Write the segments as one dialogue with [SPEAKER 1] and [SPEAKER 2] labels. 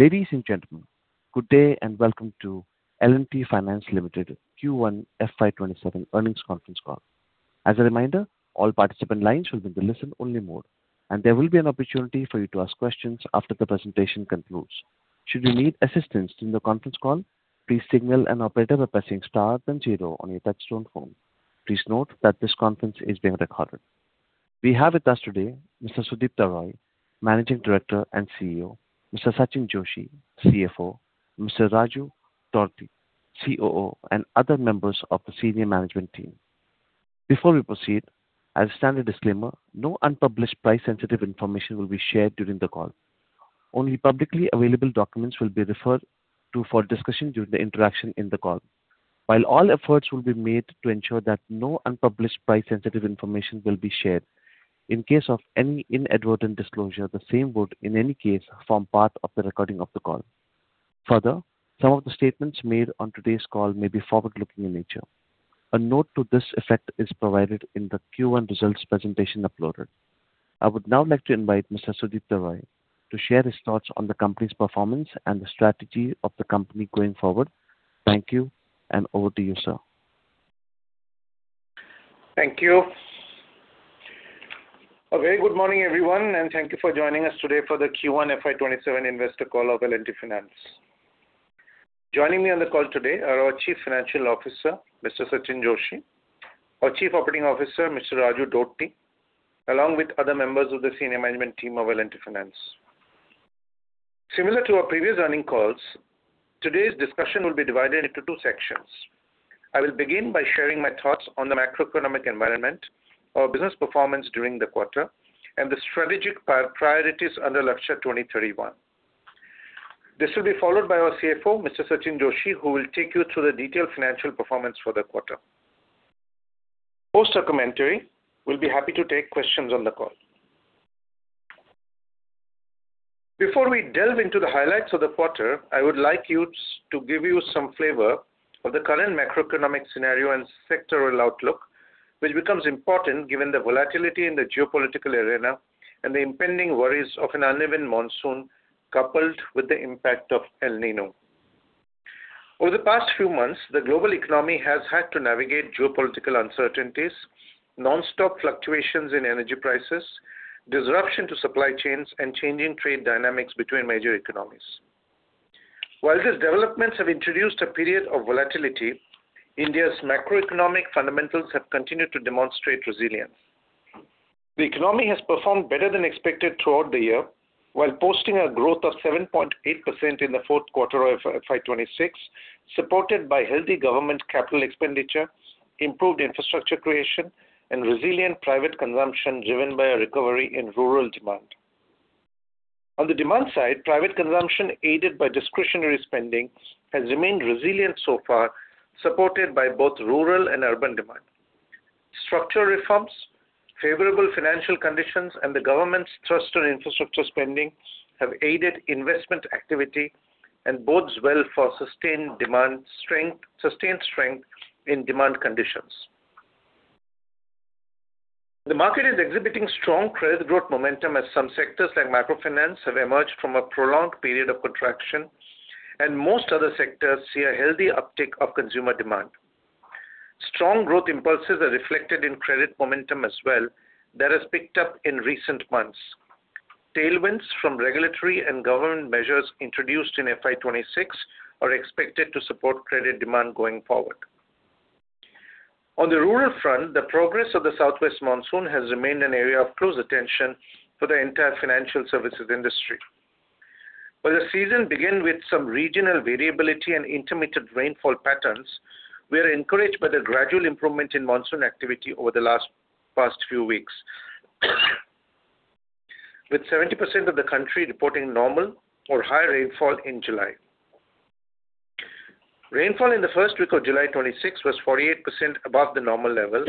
[SPEAKER 1] Ladies and gentlemen, good day. Welcome to L&T Finance Limited Q1 FY 2027 earnings conference call. As a reminder, all participant lines will be in listen-only mode, and there will be an opportunity for you to ask questions after the presentation concludes. Should you need assistance during the conference call, please signal an operator by pressing star then zero on your touch-tone phone. Please note that this conference is being recorded. We have with us today Mr. Sudipta Roy, Managing Director and CEO, Mr. Sachinn Joshi, CFO, Mr. Raju Dodti, COO, and other members of the senior management team. Before we proceed, as standard disclaimer, no unpublished price-sensitive information will be shared during the call. Only publicly available documents will be referred to for discussion during the interaction in the call. While all efforts will be made to ensure that no unpublished price-sensitive information will be shared, in case of any inadvertent disclosure, the same would, in any case, form part of the recording of the call. Some of the statements made on today's call may be forward-looking in nature. A note to this effect is provided in the Q1 results presentation uploaded. I would now like to invite Mr. Sudipta Roy to share his thoughts on the company's performance and the strategy of the company going forward. Thank you. Over to you, sir.
[SPEAKER 2] Thank you. A very good morning, everyone. Thank you for joining us today for the Q1 FY 2027 investor call of L&T Finance. Joining me on the call today are our Chief Financial Officer, Mr. Sachinn Joshi, our Chief Operating Officer, Mr. Raju Dodti, along with other members of the senior management team of L&T Finance. Similar to our previous earning calls, today's discussion will be divided into two sections. I will begin by sharing my thoughts on the macroeconomic environment, our business performance during the quarter, and the strategic priorities under Lakshya 2031. This will be followed by our CFO, Mr. Sachinn Joshi, who will take you through the detailed financial performance for the quarter. Post our commentary, we'll be happy to take questions on the call. Before we delve into the highlights of the quarter, I would like to give you some flavor of the current macroeconomic scenario and sectoral outlook, which becomes important given the volatility in the geopolitical arena and the impending worries of an uneven monsoon, coupled with the impact of El Niño. Over the past few months, the global economy has had to navigate geopolitical uncertainties, nonstop fluctuations in energy prices, disruption to supply chains, and changing trade dynamics between major economies. While these developments have introduced a period of volatility, India's macroeconomic fundamentals have continued to demonstrate resilience. The economy has performed better than expected throughout the year while posting a growth of 7.8% in the fourth quarter of FY 2026, supported by healthy government capital expenditure, improved infrastructure creation, and resilient private consumption driven by a recovery in rural demand. On the demand side, private consumption aided by discretionary spending has remained resilient so far, supported by both rural and urban demand. Structural reforms, favorable financial conditions, and the government's thrust on infrastructure spending have aided investment activity and bodes well for sustained strength in demand conditions. The market is exhibiting strong credit growth momentum as some sectors like microfinance have emerged from a prolonged period of contraction and most other sectors see a healthy uptick of consumer demand. Strong growth impulses are reflected in credit momentum as well that has picked up in recent months. Tailwinds from regulatory and government measures introduced in FY 2026 are expected to support credit demand going forward. On the rural front, the progress of the southwest monsoon has remained an area of close attention for the entire financial services industry. While the season began with some regional variability and intermittent rainfall patterns, we are encouraged by the gradual improvement in monsoon activity over the past few weeks. With 70% of the country reporting normal or high rainfall in July. Rainfall in the first week of July 2026 was 48% above the normal level,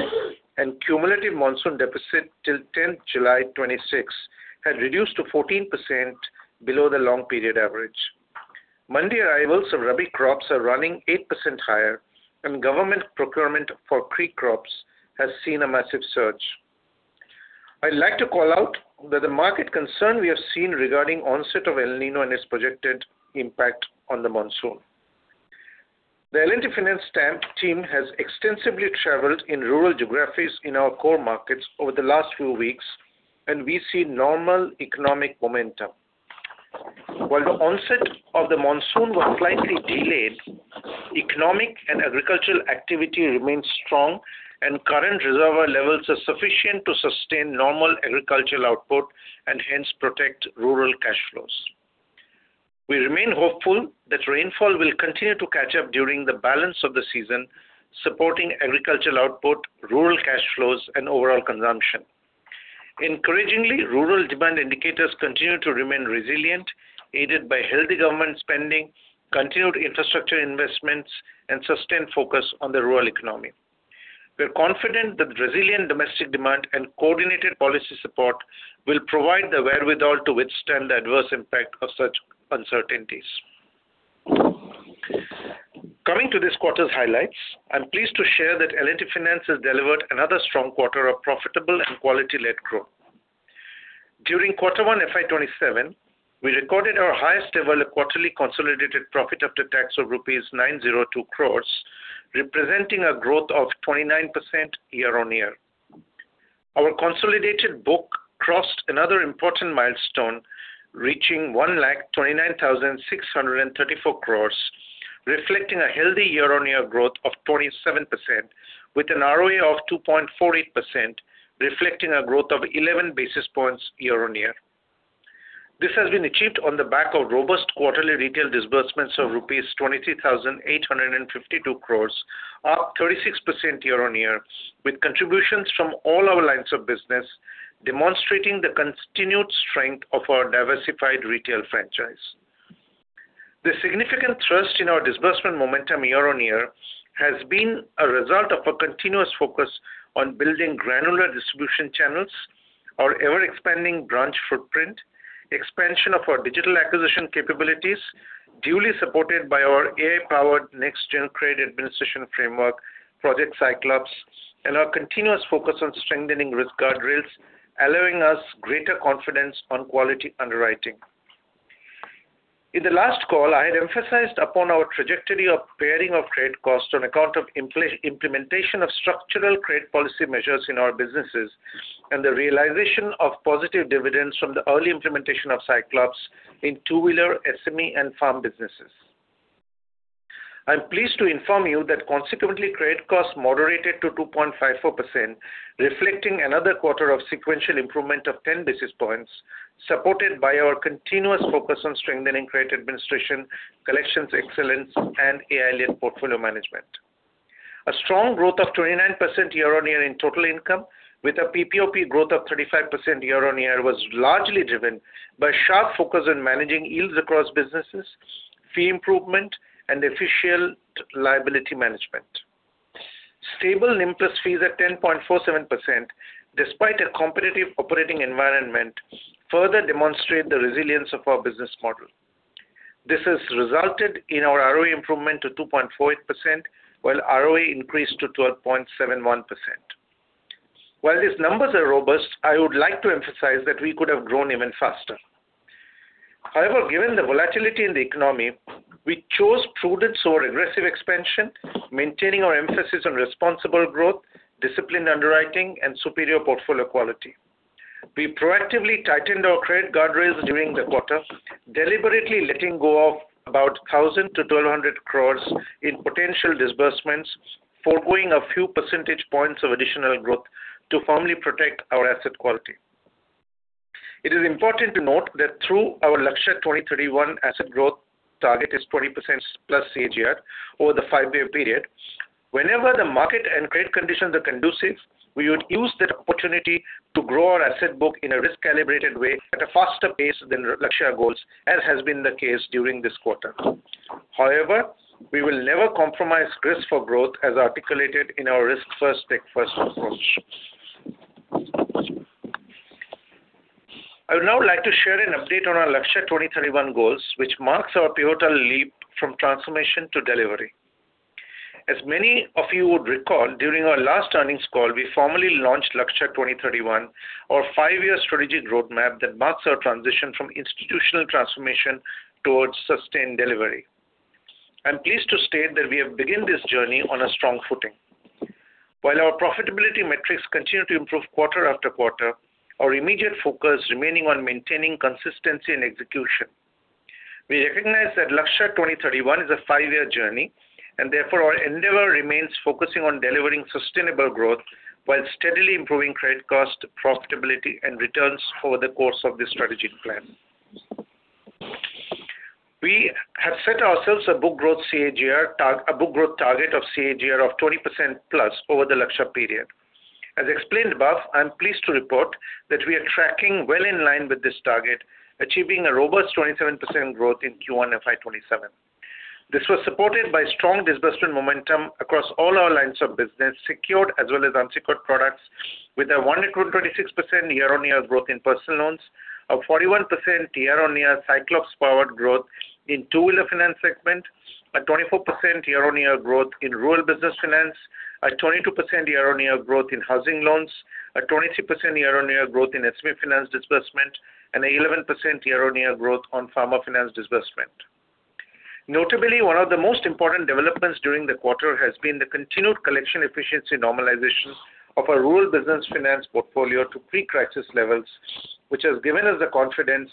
[SPEAKER 2] and cumulative monsoon deficit till 10th July 2026 had reduced to 14% below the long period average. Mandi arrivals of Rabi crops are running 8% higher and government procurement for kharif crops has seen a massive surge. I'd like to call out that the market concern we have seen regarding onset of El Niño and its projected impact on the monsoon. The L&T Finance team has extensively traveled in rural geographies in our core markets over the last few weeks, and we see normal economic momentum. While the onset of the monsoon was slightly delayed, economic and agricultural activity remains strong and current reservoir levels are sufficient to sustain normal agricultural output and hence protect rural cash flows. We remain hopeful that rainfall will continue to catch up during the balance of the season, supporting agricultural output, rural cash flows, and overall consumption. Encouragingly, rural demand indicators continue to remain resilient, aided by healthy government spending, continued infrastructure investments, and sustained focus on the rural economy. We're confident that resilient domestic demand and coordinated policy support will provide the wherewithal to withstand the adverse impact of such uncertainties. Coming to this quarter's highlights, I'm pleased to share that L&T Finance has delivered another strong quarter of profitable and quality-led growth. During quarter one FY 2027, we recorded our highest ever quarterly consolidated profit after tax of rupees 902 crores, representing a growth of 29% year-on-year. Our consolidated book crossed another important milestone, reaching 129,634 crores, reflecting a healthy year-on-year growth of 27%, with an ROE of 2.48%, reflecting a growth of 11 basis points year-on-year. This has been achieved on the back of robust quarterly retail disbursements of rupees 23,852 crores, up 36% year-on-year, with contributions from all our lines of business, demonstrating the continued strength of our diversified retail franchise. The significant thrust in our disbursement momentum year-on-year has been a result of a continuous focus on building granular distribution channels, our ever-expanding branch footprint, expansion of our digital acquisition capabilities, duly supported by our AI-powered next-gen credit administration framework, Project Cyclops, and our continuous focus on strengthening risk guardrails, allowing us greater confidence on quality underwriting. In the last call, I had emphasized upon our trajectory of paring of credit cost on account of implementation of structural credit policy measures in our businesses and the realization of positive dividends from the early implementation of Cyclops in two-wheeler SME and farm businesses. I am pleased to inform you that consequently, credit cost moderated to 2.54%, reflecting another quarter of sequential improvement of 10 basis points, supported by our continuous focus on strengthening credit administration, collections excellence, and AI-led portfolio management. A strong growth of 29% year-on-year in total income with a PPOP growth of 35% year-on-year was largely driven by sharp focus on managing yields across businesses, fee improvement, and efficient liability management. Stable NIM plus Fees at 10.47%, despite a competitive operating environment, further demonstrate the resilience of our business model. This has resulted in our ROE improvement to 2.48%, while ROE increased to 12.71%. While these numbers are robust, I would like to emphasize that we could have grown even faster. However, given the volatility in the economy, we chose prudence over aggressive expansion, maintaining our emphasis on responsible growth, disciplined underwriting, and superior portfolio quality. We proactively tightened our credit guardrails during the quarter, deliberately letting go of about 1,000 crore to 1,200 crore in potential disbursements, foregoing a few percentage points of additional growth to firmly protect our asset quality. It is important to note that though our Lakshya 2031 asset growth target is 20%+ CAGR over the five-year period, whenever the market and credit conditions are conducive, we would use that opportunity to grow our asset book in a risk-calibrated way at a faster pace than Lakshya goals as has been the case during this quarter. We will never compromise risk for growth as articulated in our risk first, tech first approach. I would now like to share an update on our Lakshya 2031 goals, which marks our pivotal leap from transformation to delivery. As many of you would recall, during our last earnings call, we formally launched Lakshya 2031, our five-year strategic roadmap that marks our transition from institutional transformation towards sustained delivery. I am pleased to state that we have begun this journey on a strong footing. While our profitability metrics continue to improve quarter after quarter, our immediate focus remaining on maintaining consistency and execution. We recognize that Lakshya 2031 is a five-year journey and therefore our endeavor remains focusing on delivering sustainable growth while steadily improving credit cost, profitability, and returns over the course of this strategic plan. We have set ourselves a book growth target of CAGR of 20%+ over the Lakshya period. As explained above, I am pleased to report that we are tracking well in line with this target, achieving a robust 27% growth in Q1 FY 2027. This was supported by strong disbursement momentum across all our lines of business, secured as well as unsecured products, with a 126% year-on-year growth in personal loans, a 41% year-on-year Cyclops-powered growth in two-wheeler finance segment, a 24% year-on-year growth in rural business finance, a 22% year-on-year growth in housing loans, a 23% year-on-year growth in SME finance disbursement, and 11% year-on-year growth on farmer finance disbursement. Notably, one of the most important developments during the quarter has been the continued collection efficiency normalization of our rural business finance portfolio to pre-crisis levels, which has given us the confidence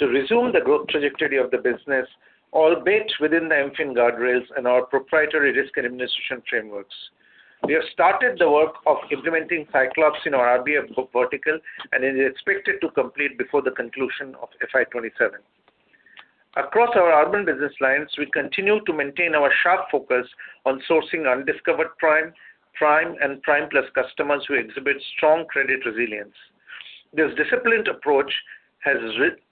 [SPEAKER 2] to resume the growth trajectory of the business, all baked within the MFIN guardrails and our proprietary risk and administration frameworks. We have started the work of implementing Cyclops in our RBF vertical, and it is expected to complete before the conclusion of FY 2027. Across our urban business lines, we continue to maintain our sharp focus on sourcing undiscovered prime, and prime plus customers who exhibit strong credit resilience. This disciplined approach has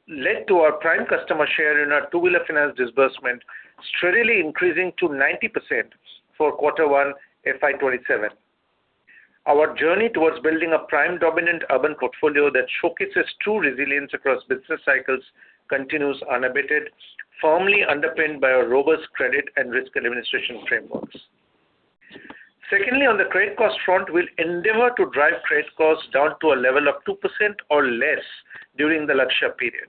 [SPEAKER 2] led to our prime customer share in our two-wheeler finance disbursement steadily increasing to 90% for quarter one FY 2027. Our journey towards building a prime dominant urban portfolio that showcases true resilience across business cycles continues unabated, firmly underpinned by our robust credit and risk administration frameworks. Secondly, on the credit cost front, we'll endeavor to drive credit costs down to a level of 2% or less during the Lakshya period.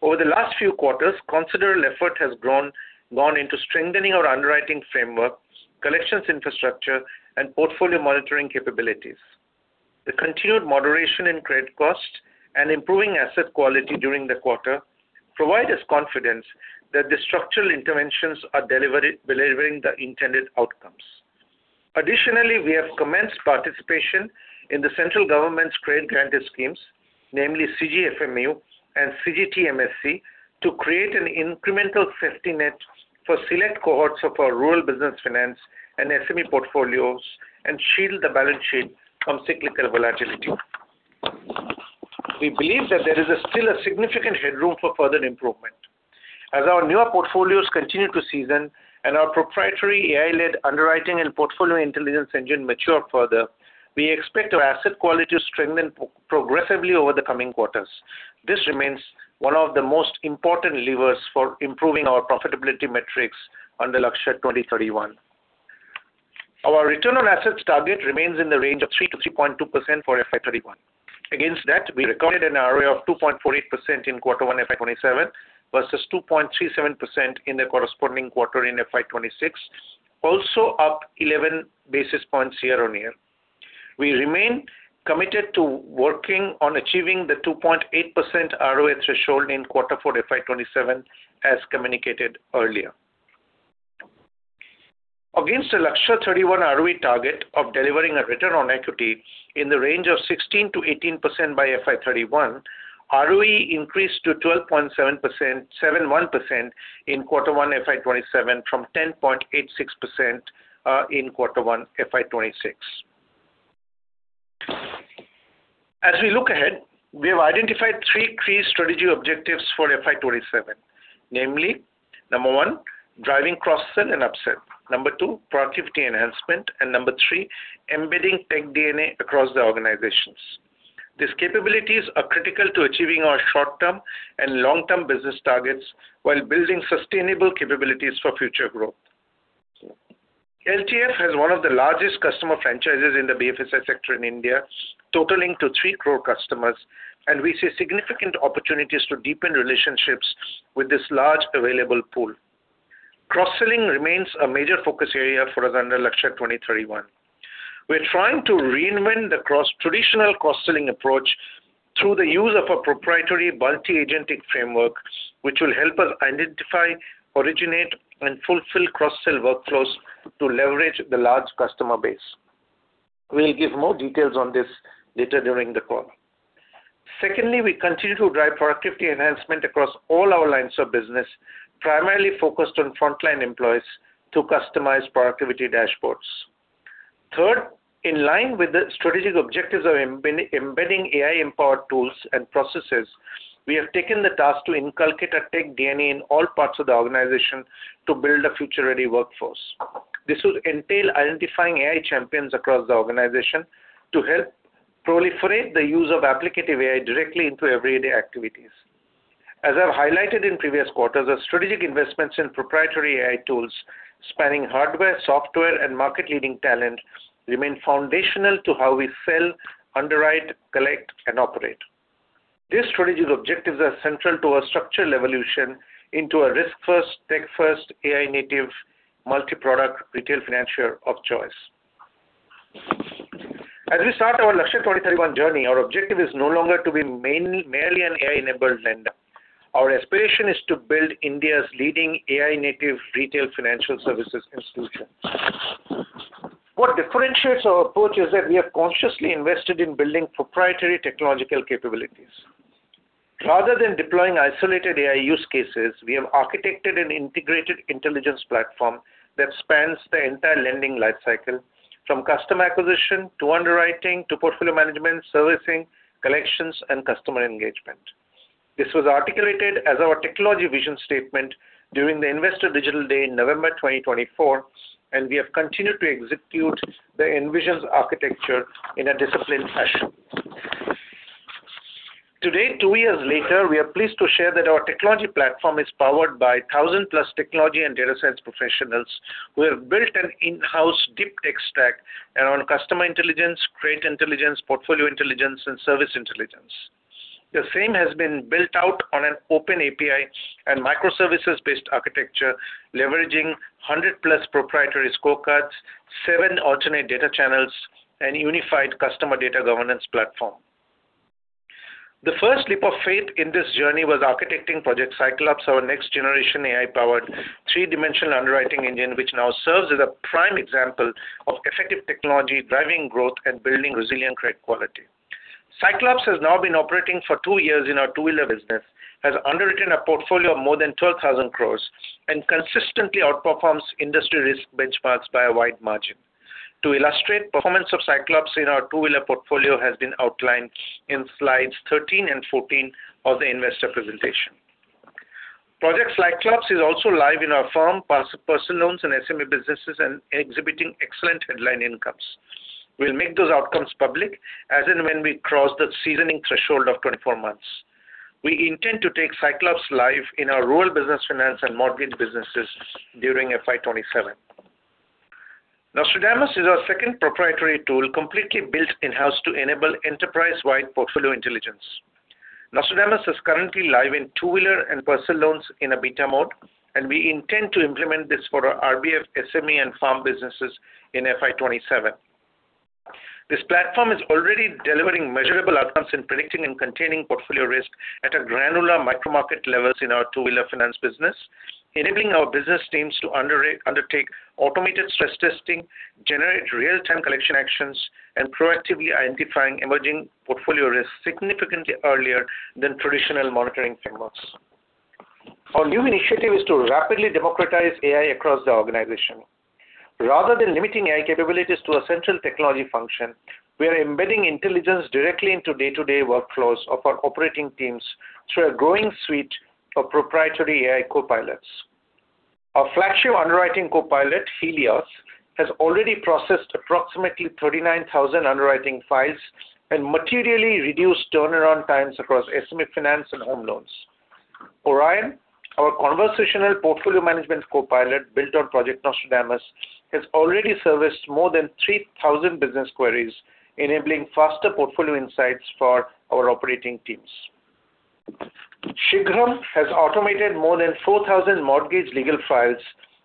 [SPEAKER 2] Over the last few quarters, considerable effort has gone into strengthening our underwriting frameworks, collections infrastructure, and portfolio monitoring capabilities. The continued moderation in credit cost and improving asset quality during the quarter provide us confidence that the structural interventions are delivering the intended outcomes. Additionally, we have commenced participation in the central government's credit-granted schemes, namely CGFMU and CGTMSE, to create an incremental safety net for select cohorts of our rural business finance and SME portfolios and shield the balance sheet from cyclical volatility. We believe that there is still a significant headroom for further improvement. As our newer portfolios continue to season and our proprietary AI-led underwriting and portfolio intelligence engine mature further, we expect our asset quality to strengthen progressively over the coming quarters. This remains one of the most important levers for improving our profitability metrics under Lakshya 2031. Our return on assets target remains in the range of 3%-3.2% for FY 2031. Against that, we recorded an ROA of 2.48% in quarter one FY 2027 versus 2.37% in the corresponding quarter in FY 2026, also up 11 basis points year-on-year. We remain committed to working on achieving the 2.8% ROA threshold in quarter four FY 2027, as communicated earlier. Against the Lakshya 2031 ROE target of delivering a return on equity in the range of 16%-18% by FY 2031, ROE increased to 12.71% in quarter one FY 2027 from 10.86% in quarter one FY 2026. As we look ahead, we have identified three key strategy objectives for FY 2027. Namely, number one, driving cross-sell and upsell. Number two, productivity enhancement. Number three, embedding tech DNA across the organizations. These capabilities are critical to achieving our short-term and long-term business targets while building sustainable capabilities for future growth. LTF has one of the largest customer franchises in the BFSI sector in India, totaling to three crore customers, and we see significant opportunities to deepen relationships with this large available pool. Cross-selling remains a major focus area for us under Lakshya 2031. We are trying to reinvent the traditional cross-selling approach through the use of a proprietary multi-agentic framework, which will help us identify, originate, and fulfill cross-sell workflows to leverage the large customer base. We'll give more details on this later during the call. Secondly, we continue to drive productivity enhancement across all our lines of business, primarily focused on frontline employees to customize productivity dashboards. Third, in line with the strategic objectives of embedding AI-empowered tools and processes, we have taken the task to inculcate a tech DNA in all parts of the organization to build a future-ready workforce. This will entail identifying AI champions across the organization to help proliferate the use of applicative AI directly into everyday activities. As I have highlighted in previous quarters, our strategic investments in proprietary AI tools spanning hardware, software, and market-leading talent remain foundational to how we sell, underwrite, collect, and operate. These strategic objectives are central to our structural evolution into a risk-first, tech-first, AI-native, multi-product retail financier of choice. As we start our Lakshya 2031 journey, our objective is no longer to be merely an AI-enabled lender. Our aspiration is to build India's leading AI-native retail financial services institution. What differentiates our approach is that we have consciously invested in building proprietary technological capabilities. Rather than deploying isolated AI use cases, we have architected an integrated intelligence platform that spans the entire lending life cycle, from customer acquisition to underwriting, to portfolio management, servicing, collections, and customer engagement. This was articulated as our technology vision statement during the Investor Digital Day in November 2024, and we have continued to execute the envisioned architecture in a disciplined fashion. Today, two years later, we are pleased to share that our technology platform is powered by 1,000+ technology and data science professionals who have built an in-house deep tech stack around customer intelligence, credit intelligence, portfolio intelligence, and service intelligence. The same has been built out on an open API and microservices-based architecture leveraging 100 proprietary scorecards, seven alternate data channels, and unified customer data governance platform. The first leap of faith in this journey was architecting Project Cyclops, our next-generation AI-powered three-dimensional underwriting engine, which now serves as a prime example of effective technology driving growth and building resilient credit quality. Cyclops has now been operating for two years in our two-wheeler business, has underwritten a portfolio of more than 12,000 crores, and consistently outperforms industry risk benchmarks by a wide margin. To illustrate, performance of Cyclops in our two-wheeler portfolio has been outlined in slides 13 and 14 of the investor presentation. Projects like Cyclops is also live in our farm, personal loans, and SME businesses and exhibiting excellent headline incomes. We'll make those outcomes public as and when we cross the seasoning threshold of 24 months. We intend to take Cyclops live in our rural business finance and mortgage businesses during FY 2027. Nostradamus is our second proprietary tool, completely built in-house to enable enterprise-wide portfolio intelligence. Nostradamus is currently live in two-wheeler and personal loans in a beta mode, and we intend to implement this for our RBF, SME, and farm businesses in FY 2027. This platform is already delivering measurable outcomes in predicting and containing portfolio risk at a granular micro-market levels in our two-wheeler finance business, enabling our business teams to undertake automated stress testing, generate real-time collection actions, and proactively identifying emerging portfolio risks significantly earlier than traditional monitoring frameworks. Our new initiative is to rapidly democratize AI across the organization. Rather than limiting AI capabilities to a central technology function, we are embedding intelligence directly into day-to-day workflows of our operating teams through a growing suite of proprietary AI co-pilots. Our flagship underwriting co-pilot, Helios, has already processed approximately 39,000 underwriting files and materially reduced turnaround times across SME finance and home loans. Orion, our conversational portfolio management co-pilot built on Project Nostradamus, has already serviced more than 3,000 business queries, enabling faster portfolio insights for our operating teams. ShigraM has automated more than 4,000 mortgage legal files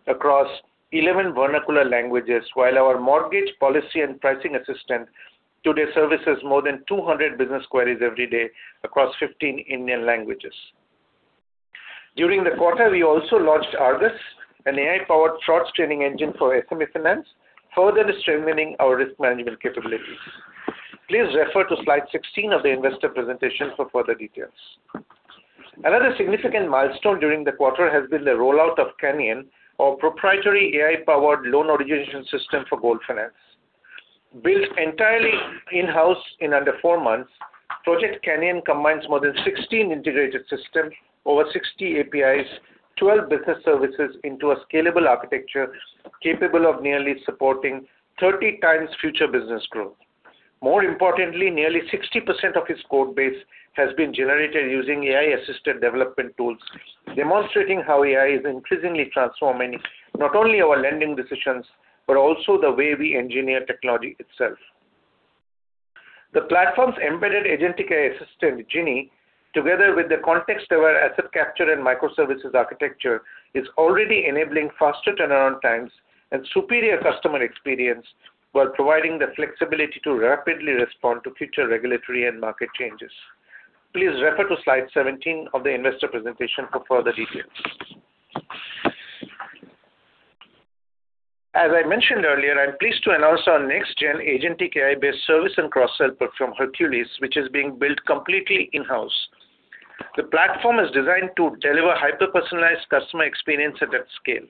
[SPEAKER 2] across 11 vernacular languages, while our mortgage policy and pricing assistant today services more than 200 business queries every day across 15 Indian languages. During the quarter, we also launched Argus, an AI-powered fraud screening engine for SME finance, further strengthening our risk management capabilities. Please refer to slide 16 of the investor presentation for further details. Another significant milestone during the quarter has been the rollout of Canyon, our proprietary AI-powered loan origination system for gold finance. Built entirely in-house in under four months, Project Canyon combines more than 16 integrated systems, over 60 APIs, 12 business services into a scalable architecture capable of nearly supporting 30 times future business growth. More importantly, nearly 60% of its code base has been generated using AI-assisted development tools, demonstrating how AI is increasingly transforming not only our lending decisions, but also the way we engineer technology itself. The platform's embedded agentic AI assistant, Jinni, together with the context-aware asset capture and microservices architecture, is already enabling faster turnaround times and superior customer experience while providing the flexibility to rapidly respond to future regulatory and market changes. Please refer to slide 17 of the investor presentation for further details. As I mentioned earlier, I'm pleased to announce our next-gen agentic AI-based service and cross-sell platform, Hercules, which is being built completely in-house. The platform is designed to deliver hyper-personalized customer experience at scale.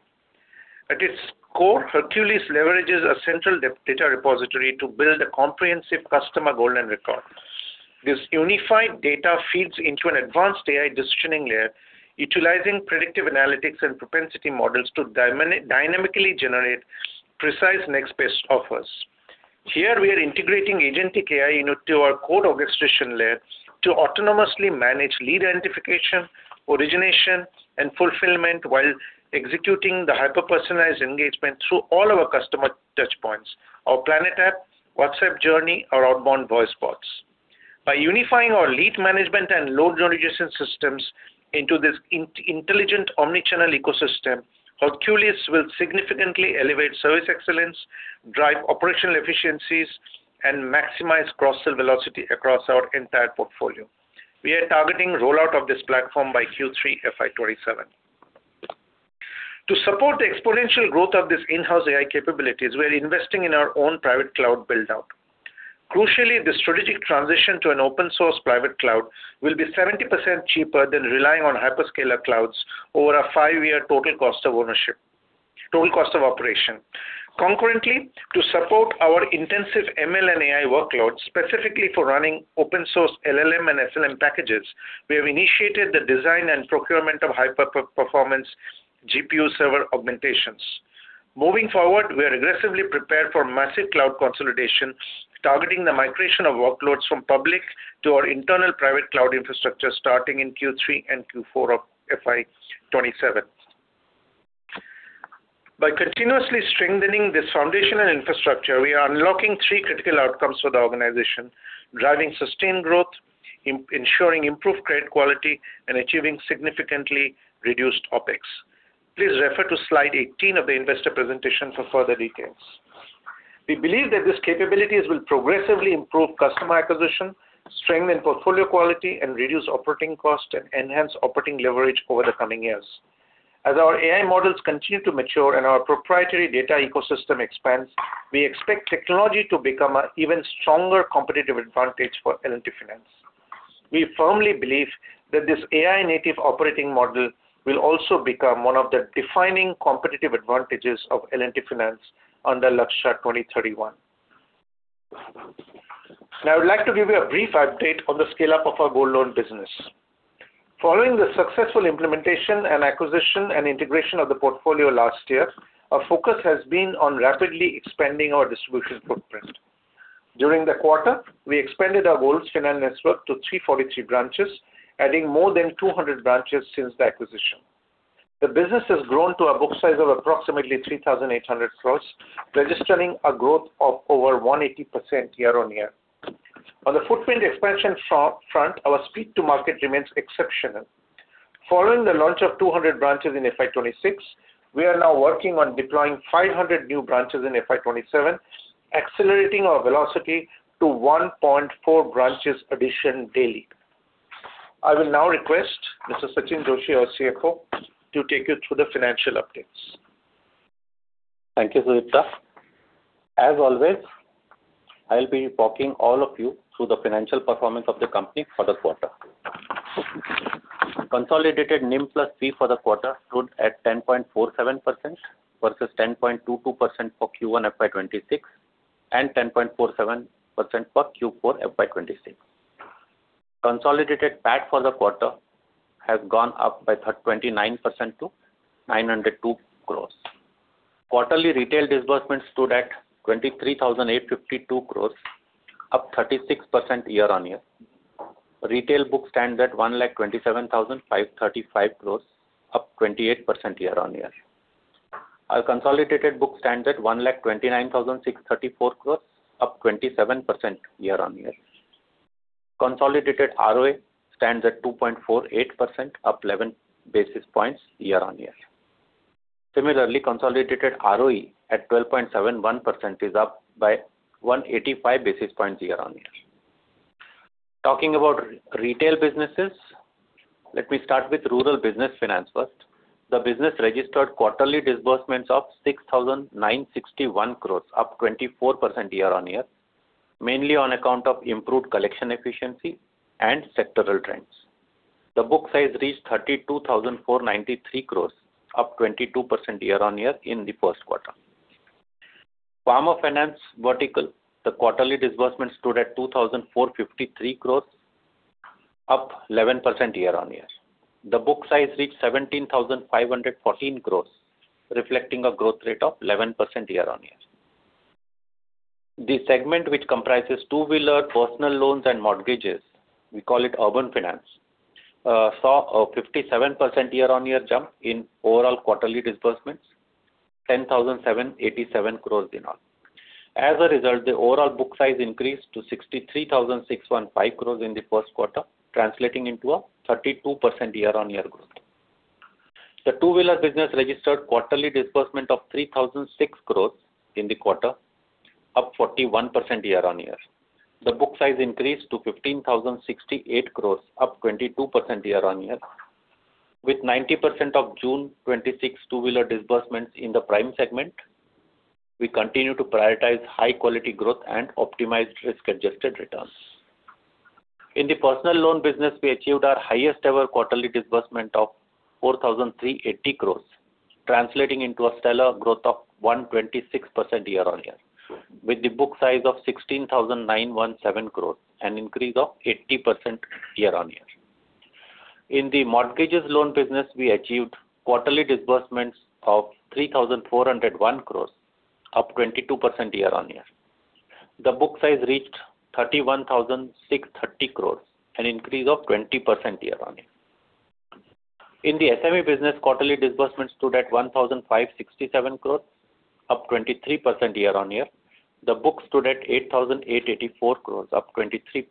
[SPEAKER 2] At its core, Hercules leverages a central data repository to build a comprehensive customer golden record. This unified data feeds into an advanced AI decisioning layer utilizing predictive analytics and propensity models to dynamically generate precise next best offers. Here, we are integrating agentic AI into our core orchestration layer to autonomously manage lead identification, origination, and fulfillment while executing the hyper-personalized engagement through all our customer touch points, our PLANET app, WhatsApp journey, our outbound voice bots. By unifying our lead management and loan origination systems into this intelligent omni-channel ecosystem, Hercules will significantly elevate service excellence, drive operational efficiencies, and maximize cross-sell velocity across our entire portfolio. We are targeting rollout of this platform by Q3 FY 2027. To support the exponential growth of these in-house AI capabilities, we're investing in our own private cloud build-out. Crucially, this strategic transition to an open source private cloud will be 70% cheaper than relying on hyperscaler clouds over a five-year total cost of operation. Concurrently, to support our intensive ML and AI workloads, specifically for running open source LLM and SLM packages, we have initiated the design and procurement of high-performance GPU server augmentations. Moving forward, we are aggressively prepared for massive cloud consolidation, targeting the migration of workloads from public to our internal private cloud infrastructure starting in Q3 and Q4 of FY 2027. By continuously strengthening this foundational infrastructure, we are unlocking three critical outcomes for the organization, driving sustained growth, ensuring improved credit quality, and achieving significantly reduced OpEx. Please refer to slide 18 of the investor presentation for further details. We believe that these capabilities will progressively improve customer acquisition, strengthen portfolio quality, and reduce operating costs, and enhance operating leverage over the coming years. As our AI models continue to mature and our proprietary data ecosystem expands, we expect technology to become an even stronger competitive advantage for L&T Finance. We firmly believe that this AI native operating model will also become one of the defining competitive advantages of L&T Finance under Lakshya 2031. Now I would like to give you a brief update on the scale-up of our gold loan business. Following the successful implementation and acquisition and integration of the portfolio last year, our focus has been on rapidly expanding our distribution footprint. During the quarter, we expanded our gold finance network to 343 branches, adding more than 200 branches since the acquisition. The business has grown to a book size of approximately 3,800 crores, registering a growth of over 180% year-on-year. On the footprint expansion front, our speed to market remains exceptional. Following the launch of 200 branches in FY 2026, we are now working on deploying 500 new branches in FY 2027, accelerating our velocity to 1.4 branches addition daily. I will now request Mr. Sachinn Joshi, our CFO, to take you through the financial updates.
[SPEAKER 3] Thank you, Sudipta. As always, I'll be walking all of you through the financial performance of the company for the quarter. Consolidated NIM plus Fee for the quarter stood at 10.47% versus 10.22% for Q1 FY 2026 and 10.47% for Q4 FY 2026. Consolidated PAT for the quarter has gone up by 29% to 902 crores. Quarterly retail disbursements stood at 23,852 crores, up 36% year-on-year. Retail book stands at 127,535 crores, up 28% year-on-year. Our consolidated book stands at 129,634 crores, up 27% year-on-year. Consolidated ROA stands at 2.48%, up eleven basis points year-on-year. Similarly, consolidated ROE at 12.71% is up by 185 basis points year-on-year. Talking about retail businesses, let me start with rural business finance first. The business registered quarterly disbursements of 6,961 crores, up 24% year-on-year, mainly on account of improved collection efficiency and sectoral trends. The book size reached 32,493 crores, up 22% year-on-year in the first quarter. Farmer finance vertical, the quarterly disbursement stood at 2,453 crores, up 11% year-on-year. The book size reached 17,514 crores, reflecting a growth rate of 11% year-on-year. The segment which comprises two-wheeler, personal loans, and mortgages, we call it urban finance, saw a 57% year-on-year jump in overall quarterly disbursements, 10,787 crores in all. As a result, the overall book size increased to 63,615 crores in the first quarter, translating into a 32% year-on-year growth. The two-wheeler business registered quarterly disbursement of 3,006 crores in the quarter, up 41% year-on-year. The book size increased to 15,068 crores, up 22% year-on-year. With 90% of June 2026 two-wheeler disbursements in the prime segment, we continue to prioritize high quality growth and optimized risk-adjusted returns. In the personal loan business, we achieved our highest ever quarterly disbursement of 4,380 crore, translating into a stellar growth of 126% year-on-year, with the book size of 16,917 crore, an increase of 80% year-on-year. In the mortgages loan business, we achieved quarterly disbursements of 3,401 crore, up 22% year-on-year. The book size reached 31,630 crore, an increase of 20% year-on-year. In the SME business, quarterly disbursements stood at 1,567 crore, up 23% year-on-year. The book stood at 8,884 crore, up 28%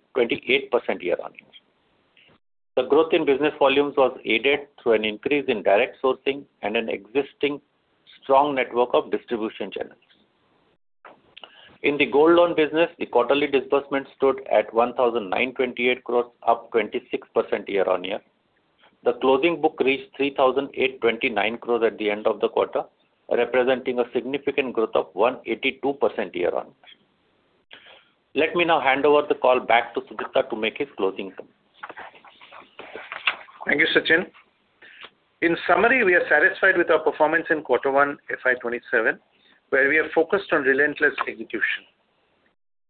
[SPEAKER 3] year-on-year. The growth in business volumes was aided through an increase in direct sourcing and an existing strong network of distribution channels. In the gold loan business, the quarterly disbursement stood at 1,928 crore, up 26% year-on-year. The closing book reached 3,829 crore at the end of the quarter, representing a significant growth of 182% year-on-year. Let me now hand over the call back to Sudipta to make his closing comments.
[SPEAKER 2] Thank you, Sachinn. In summary, we are satisfied with our performance in quarter one FY 2027, where we are focused on relentless execution.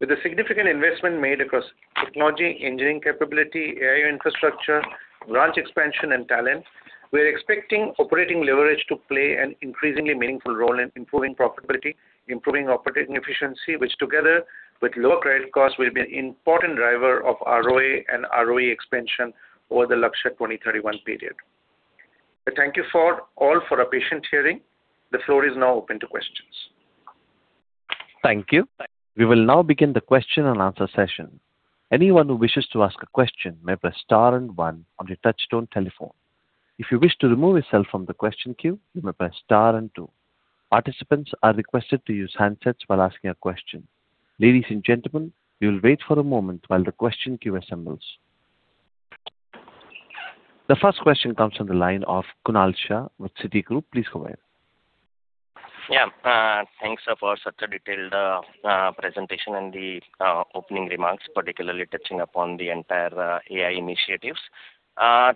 [SPEAKER 2] With a significant investment made across technology, engineering capability, AI infrastructure, branch expansion, and talent, we are expecting operating leverage to play an increasingly meaningful role in improving profitability, improving operating efficiency, which together with lower credit costs, will be an important driver of ROA and ROE expansion over the Lakshya 2031 period. Thank you all for our patient hearing. The floor is now open to questions.
[SPEAKER 1] Thank you. We will now begin the question and answer session. Anyone who wishes to ask a question may press star and one on your touchtone telephone. If you wish to remove yourself from the question queue, you may press star and two. Participants are requested to use handsets while asking a question. Ladies and gentlemen, we will wait for a moment while the question queue assembles. The first question comes from the line of Kunal Shah with Citigroup. Please go ahead.
[SPEAKER 4] Thanks for such a detailed presentation and the opening remarks, particularly touching upon the entire AI initiatives. A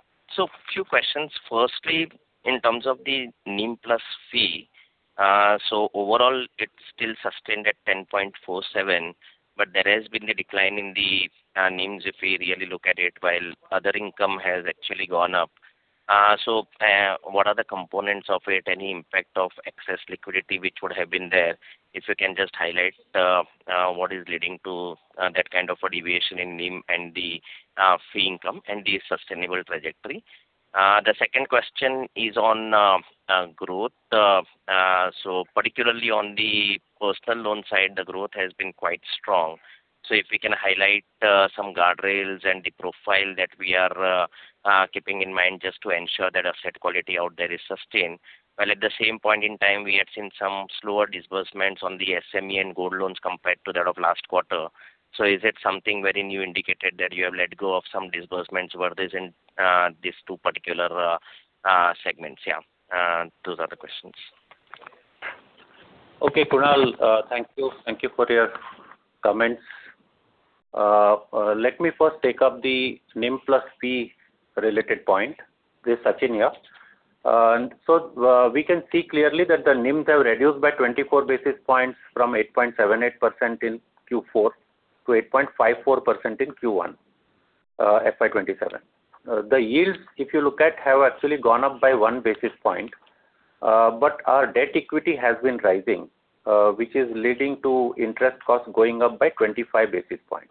[SPEAKER 4] few questions. Firstly, in terms of the NIM plus Fee. Overall, it's still sustained at 10.47%, but there has been a decline in the NIMs if we really look at it, while other income has actually gone up. What are the components of it? Any impact of excess liquidity which would have been there? If you can just highlight what is leading to that kind of a deviation in NIM and the fee income and the sustainable trajectory. The second question is on growth. Particularly on the personal loan side, the growth has been quite strong. If we can highlight some guardrails and the profile that we are keeping in mind just to ensure that asset quality out there is sustained. While at the same point in time, we have seen some slower disbursements on the SME and gold loans compared to that of last quarter. Is it something wherein you indicated that you have let go of some disbursements worth in these two particular segments? Those are the questions.
[SPEAKER 3] Okay, Kunal. Thank you. Thank you for your comments. Let me first take up the NIM plus Fee related point. This is Sachinn here. We can see clearly that the NIMs have reduced by 24 basis points from 8.78% in Q4 to 8.54% in Q1 FY 2027. The yields, if you look at, have actually gone up by 1 basis point, but our debt equity has been rising, which is leading to interest cost going up by 25 basis points.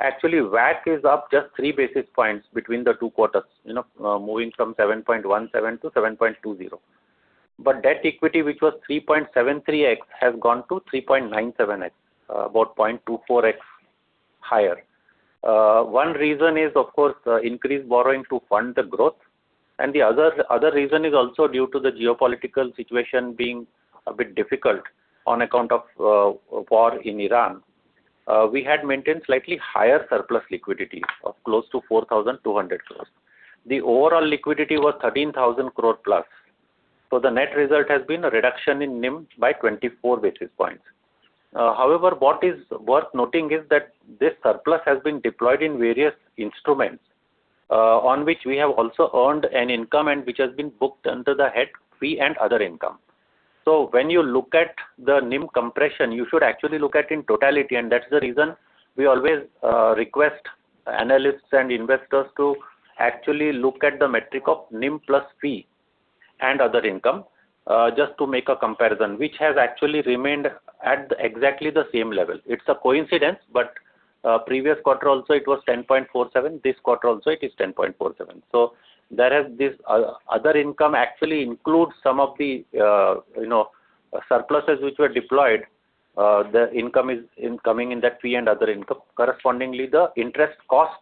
[SPEAKER 3] Actually, WAC is up just 3 basis points between the two quarters, moving from 7.17% to 7.20%. Debt equity, which was 3.73x, has gone to 3.97x, about 0.24x higher. One reason is, of course, increased borrowing to fund the growth, and the other reason is also due to the geopolitical situation being a bit difficult on account of war in Iran. We had maintained slightly higher surplus liquidity of close to 4,200 crore. The overall liquidity was 13,000+ crore. The net result has been a reduction in NIM by 24 basis points. However, what is worth noting is that this surplus has been deployed in various instruments, on which we have also earned an income and which has been booked under the head fee and other income. When you look at the NIM compression, you should actually look at in totality, and that's the reason we always request analysts and investors to actually look at the metric of NIM plus Fee and other income, just to make a comparison, which has actually remained at exactly the same level. It's a coincidence, previous quarter also it was 10.47%, this quarter also it is 10.47%. Whereas this other income actually includes some of the surpluses which were deployed, the income is incoming in that fee and other income. Correspondingly, the interest cost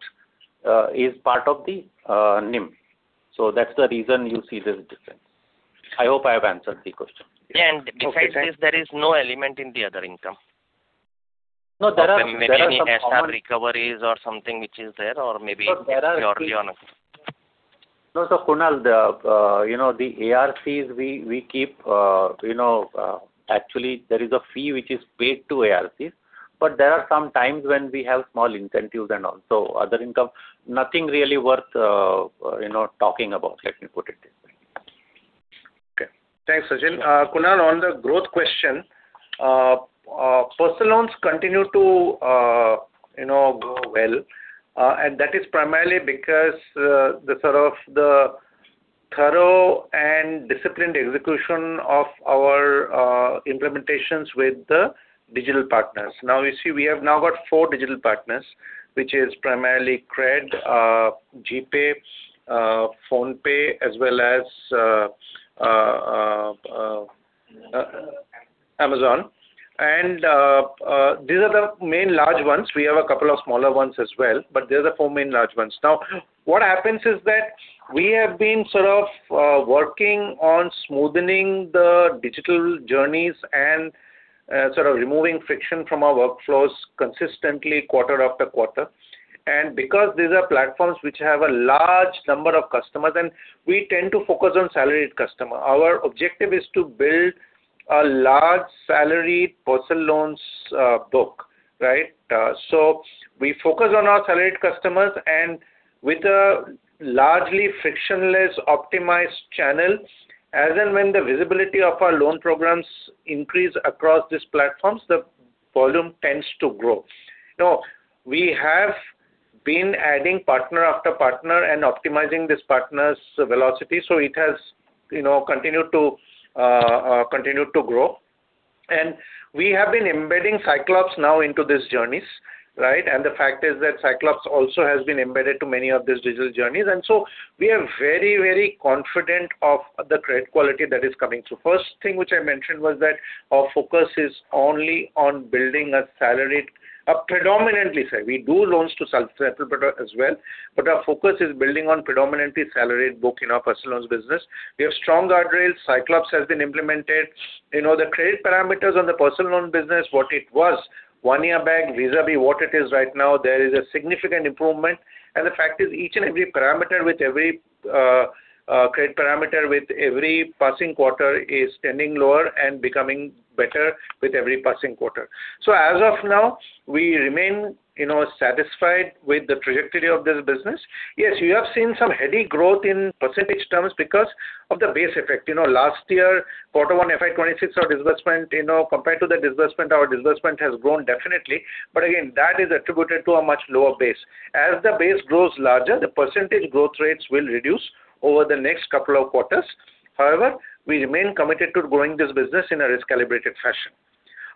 [SPEAKER 3] is part of the NIM. That's the reason you see this difference. I hope I have answered the question.
[SPEAKER 4] Yeah. Besides this, there is no element in the other income.
[SPEAKER 3] No, there are.
[SPEAKER 4] Maybe some SR recoveries or something which is there or maybe purely on.
[SPEAKER 3] No. Kunal, the ARCs, actually, there is a fee which is paid to ARCs, but there are sometimes when we have small incentives and also other income. Nothing really worth talking about, let me put it this way.
[SPEAKER 2] Okay. Thanks, Sachinn. Kunal, on the growth question, personal loans continue to grow well, that is primarily because the sort of the thorough and disciplined execution of our implementations with the digital partners. You see, we have now got four digital partners, which is primarily CRED, GPay, PhonePe, as well as Amazon. These are the main large ones. We have a couple of smaller ones as well, but these are the four main large ones. What happens is that we have been sort of working on smoothening the digital journeys and sort of removing friction from our workflows consistently quarter after quarter. Because these are platforms which have a large number of customers and we tend to focus on salaried customer, our objective is to build a large salaried personal loans book. Right? We focus on our salaried customers and with a largely frictionless optimized channels. As and when the visibility of our loan programs increase across these platforms, the volume tends to grow. We have been adding partner after partner and optimizing these partners' velocity. It has continued to grow. We have been embedding Cyclops now into these journeys. Right? The fact is that Cyclops also has been embedded to many of these digital journeys. We are very confident of the credit quality that is coming through. First thing which I mentioned was that our focus is only on building a salaried, predominantly salaried. We do loans to self-employed as well, but our focus is building on predominantly salaried book in our personal loans business. We have strong guardrails. Cyclops has been implemented. The credit parameters on the personal loan business, what it was one year back vis-à-vis what it is right now, there is a significant improvement. The fact is, each and every parameter with every credit parameter with every passing quarter is standing lower and becoming better with every passing quarter. As of now, we remain satisfied with the trajectory of this business. Yes, we have seen some heady growth in percentage terms because of the base effect. Last year, quarter one FY 2026, our disbursement, compared to the disbursement, our disbursement has grown definitely. Again, that is attributed to a much lower base. As the base grows larger, the percentage growth rates will reduce over the next couple of quarters. However, we remain committed to growing this business in a risk-calibrated fashion.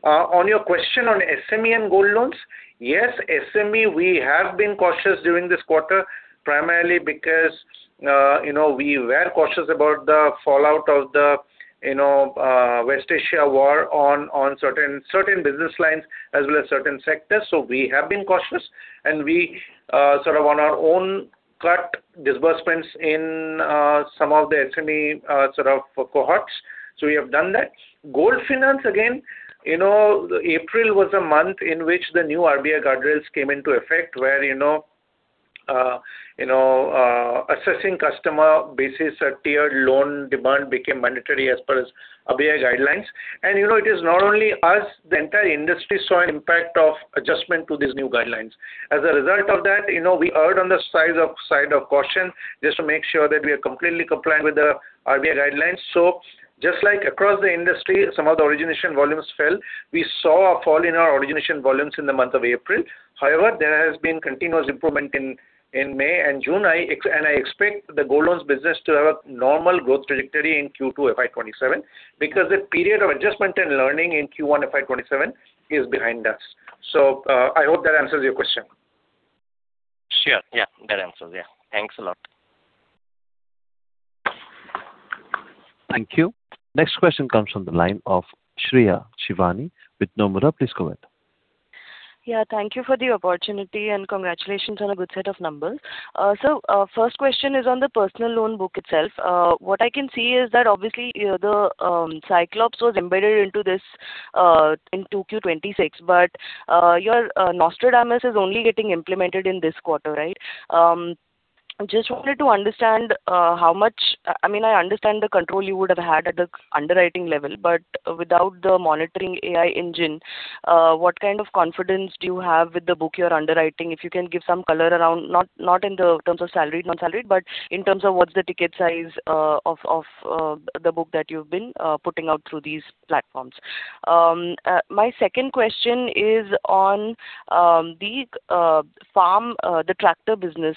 [SPEAKER 2] On your question on SME and gold loans. Yes, SME, we have been cautious during this quarter, primarily because we were cautious about the fallout of the West Asia war on certain business lines as well as certain sectors. We have been cautious, and we on our own cut disbursements in some of the SME cohorts. We have done that. Gold finance, again, April was a month in which the new RBI guardrails came into effect where assessing customer basis or tiered loan demand became mandatory as per RBI guidelines. It is not only us, the entire industry saw an impact of adjustment to these new guidelines. As a result of that, we erred on the side of caution just to make sure that we are completely compliant with the RBI guidelines. Just like across the industry, some of the origination volumes fell. We saw a fall in our origination volumes in the month of April. However, there has been continuous improvement in May and June, and I expect the gold loans business to have a normal growth trajectory in Q2 FY 2027 because the period of adjustment and learning in Q1 FY 2027 is behind us. I hope that answers your question.
[SPEAKER 4] Sure. Yeah, that answers it. Thanks a lot.
[SPEAKER 1] Thank you. Next question comes from the line of Shreya Shivani with Nomura. Please go ahead.
[SPEAKER 5] Thank you for the opportunity, and congratulations on a good set of numbers. First question is on the personal loan book itself. What I can see is that obviously, the Cyclops was embedded into this in 2Q 2026, but your Nostradamus is only getting implemented in this quarter, right? I just wanted to understand how much I understand the control you would have had at the underwriting level, but without the monitoring AI engine, what kind of confidence do you have with the book you are underwriting? If you can give some color around not in the terms of salaried, non-salaried, but in terms of what is the ticket size of the book that you have been putting out through these platforms. My second question is on the tractor business.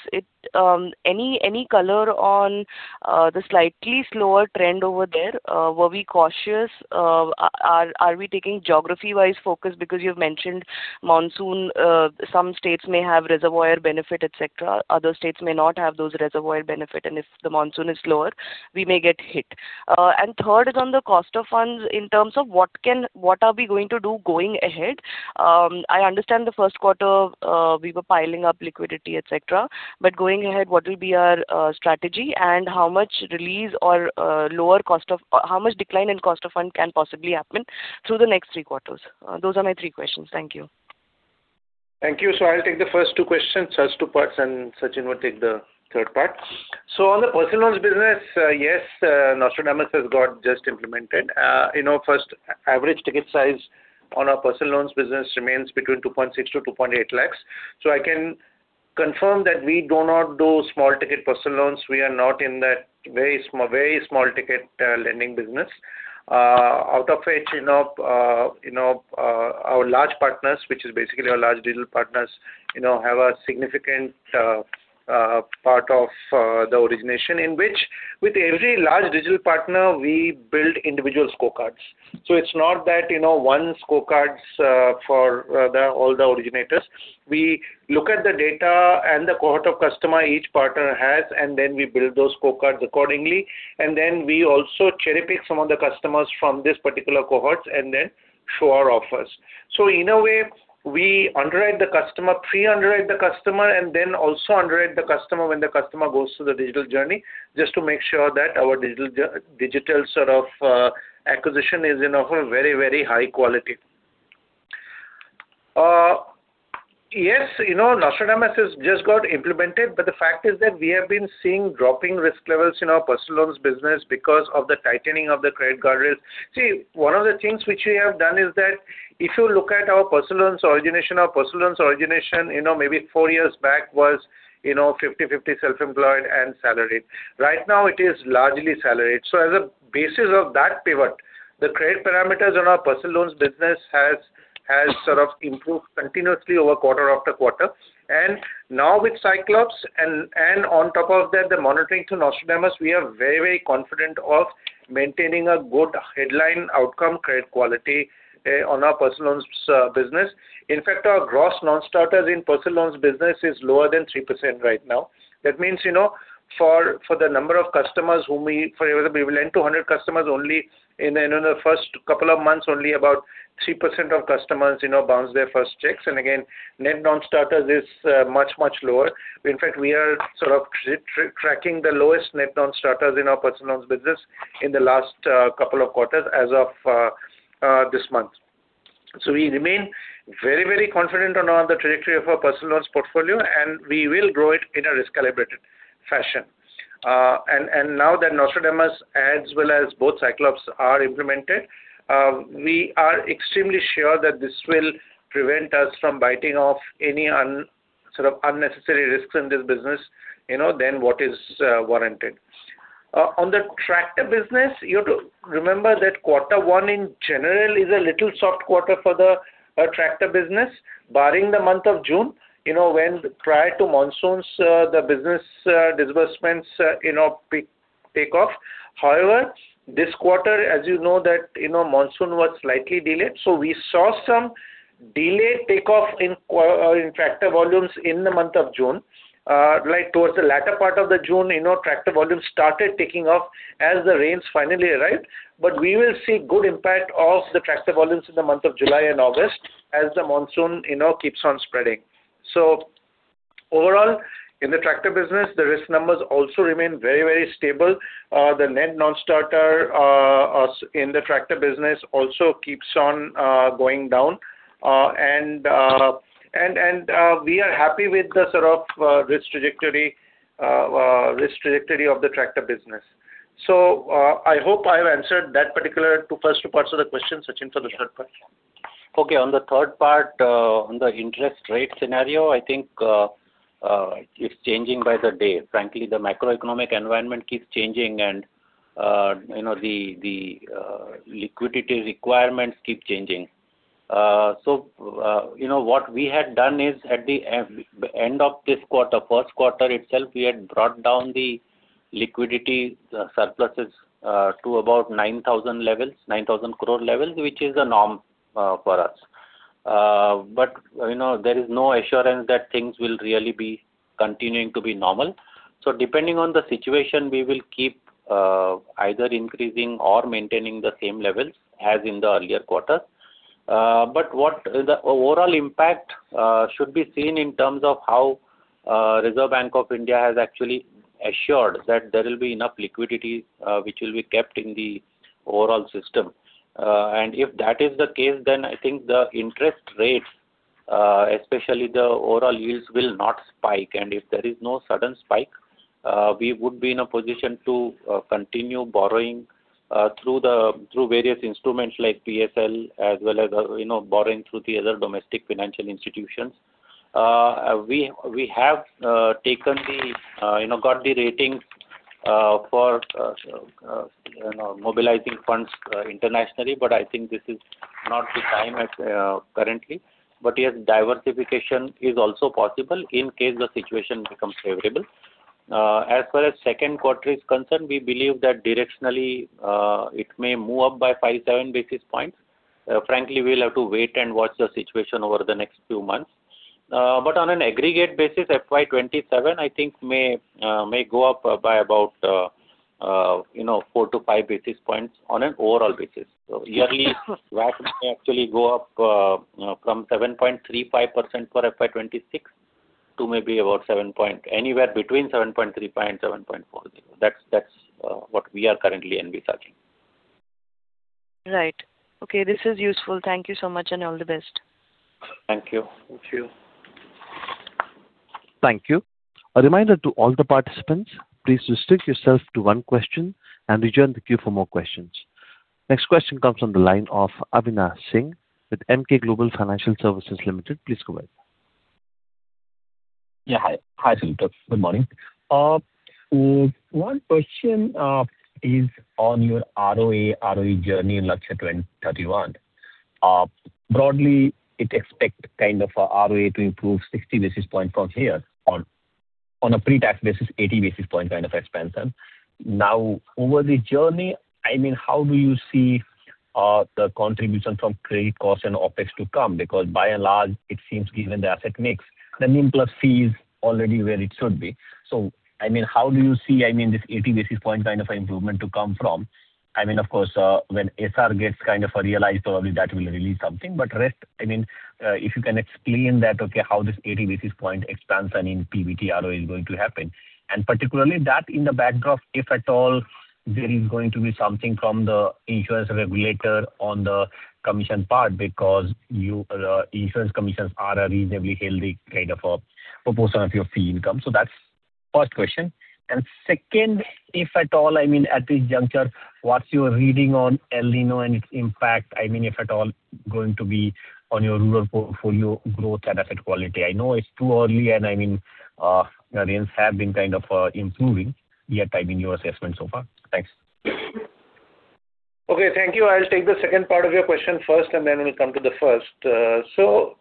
[SPEAKER 5] Any color on the slightly slower trend over there? Were we cautious? Are we taking geography-wise focus because you have mentioned monsoon, some states may have reservoir benefit, et cetera. Other states may not have those reservoir benefit, and if the monsoon is slower, we may get hit. Third is on the cost of funds in terms of what are we going to do going ahead. I understand the first quarter we were piling up liquidity, et cetera. Going ahead, what will be our strategy and how much release or how much decline in cost of fund can possibly happen through the next three quarters? Those are my three questions. Thank you.
[SPEAKER 2] Thank you. I will take the first two questions, first two parts, and Sachinn will take the third part. On the personal loans business, yes, Nostradamus has got just implemented. First, average ticket size on our personal loans business remains between 2.6 lakhs-2.8 lakhs. I can confirm that we do not do small-ticket personal loans. We are not in that very small-ticket lending business. Out of which our large partners, which is basically our large digital partners, have a significant part of the origination in which with every large digital partner, we build individual scorecards. It is not that one scorecard is for all the originators. We look at the data and the cohort of customer each partner has, and then we build those scorecards accordingly. Then we also cherry-pick some of the customers from this particular cohort and then show our offers. In a way, we pre-underwrite the customer and then also underwrite the customer when the customer goes through the digital journey, just to make sure that our digital acquisition is of a very high quality. Yes, Nostradamus has just got implemented, but the fact is that we have been seeing dropping risk levels in our personal loans business because of the tightening of the credit guardrails. One of the things which we have done is that if you look at our personal loans origination, our personal loans origination maybe four years back was 50/50 self-employed and salaried. Right now, it is largely salaried. As a basis of that pivot, the credit parameters on our personal loans business has improved continuously over quarter after quarter. Now with Cyclops and on top of that, the monitoring through Nostradamus, we are very confident of maintaining a good headline outcome credit quality on our personal loans business. In fact, our gross non-starters in personal loans business is lower than 3% right now. That means for the number of customers whom we lend to 100 customers only in the first couple of months, only about 3% of customers bounce their first checks. Again, net non-starters is much lower. In fact, we are tracking the lowest net non-starters in our personal loans business in the last couple of quarters as of this month. We remain very confident on the trajectory of our personal loans portfolio, and we will grow it in a risk-calibrated fashion. Now that Nostradamus as well as both Cyclops are implemented, we are extremely sure that this will prevent us from biting off any unnecessary risks in this business than what is warranted. On the tractor business, you have to remember that quarter one in general is a little soft quarter for the tractor business, barring the month of June, when prior to monsoons, the business disbursements take off. However, this quarter, as you know, monsoon was slightly delayed, we saw some delayed take-off in tractor volumes in the month of June. Right towards the latter part of June, tractor volumes started taking off as the rains finally arrived. We will see good impact of the tractor volumes in the month of July and August as the monsoon keeps on spreading. Overall, in the tractor business, the risk numbers also remain very stable. The net non-starter in the tractor business also keeps on going down. We are happy with the sort of risk trajectory of the tractor business. I hope I have answered that particular first two parts of the question, Sachinn, for the third part.
[SPEAKER 3] Okay. On the third part, on the interest rate scenario, I think it's changing by the day. Frankly, the macroeconomic environment keeps changing, the liquidity requirements keep changing. What we had done is at the end of this quarter, first quarter itself, we had brought down the liquidity surpluses to about 9,000 crore levels, which is a norm for us. There is no assurance that things will really be continuing to be normal. Depending on the situation, we will keep either increasing or maintaining the same levels as in the earlier quarter. What the overall impact should be seen in terms of how Reserve Bank of India has actually assured that there will be enough liquidity which will be kept in the overall system. If that is the case, I think the interest rates, especially the overall yields, will not spike. If there is no sudden spike, we would be in a position to continue borrowing through various instruments like PSL, as well as borrowing through the other domestic financial institutions. We have got the rating for mobilizing funds internationally, I think this is not the time currently. Yes, diversification is also possible in case the situation becomes favorable. As far as second quarter is concerned, we believe that directionally it may move up by 5, 7 basis points. Frankly, we'll have to wait and watch the situation over the next few months. On an aggregate basis, FY 2027, I think may go up by about 4 to 5 basis points on an overall basis. Yearly, WACB may actually go up from 7.35% for FY 2026 to maybe anywhere between 7.35 and 7.40. That's what we are currently envisaging.
[SPEAKER 5] Right. Okay, this is useful. Thank you so much and all the best.
[SPEAKER 3] Thank you.
[SPEAKER 2] Thank you.
[SPEAKER 1] Thank you. A reminder to all the participants, please restrict yourself to one question and rejoin the queue for more questions. Next question comes from the line of Avinash Singh with Emkay Global Financial Services Limited. Please go ahead.
[SPEAKER 6] Yeah. Hi, Sudipta. Good morning. One question is on your ROA journey in Lakshya 2031. Broadly, it expect kind of a ROA to improve 60 basis points from here on a pre-tax basis, 80 basis points kind of expansion. Over the journey, how do you see the contribution from credit costs and OpEx to come? Because by and large, it seems given the asset mix, the NIM plus Fee is already where it should be. How do you see this 80 basis points kind of improvement to come from? Of course, when SR gets kind of realized, probably that will release something. Rest, if you can explain that, okay, how this 80 basis points expansion in PBT ROE is going to happen, and particularly that in the backdrop, if at all there is going to be something from the insurance regulator on the commission part because insurance commissions are a reasonably healthy kind of a proportion of your fee income. That's first question. Second, if at all, at this juncture, what's your reading on El Niño and its impact, if at all, going to be on your rural portfolio growth and asset quality? I know it's too early and the rains have been kind of improving. Yet, I mean, your assessment so far. Thanks.
[SPEAKER 2] Okay. Thank you. I'll take the second part of your question first. Then we'll come to the first.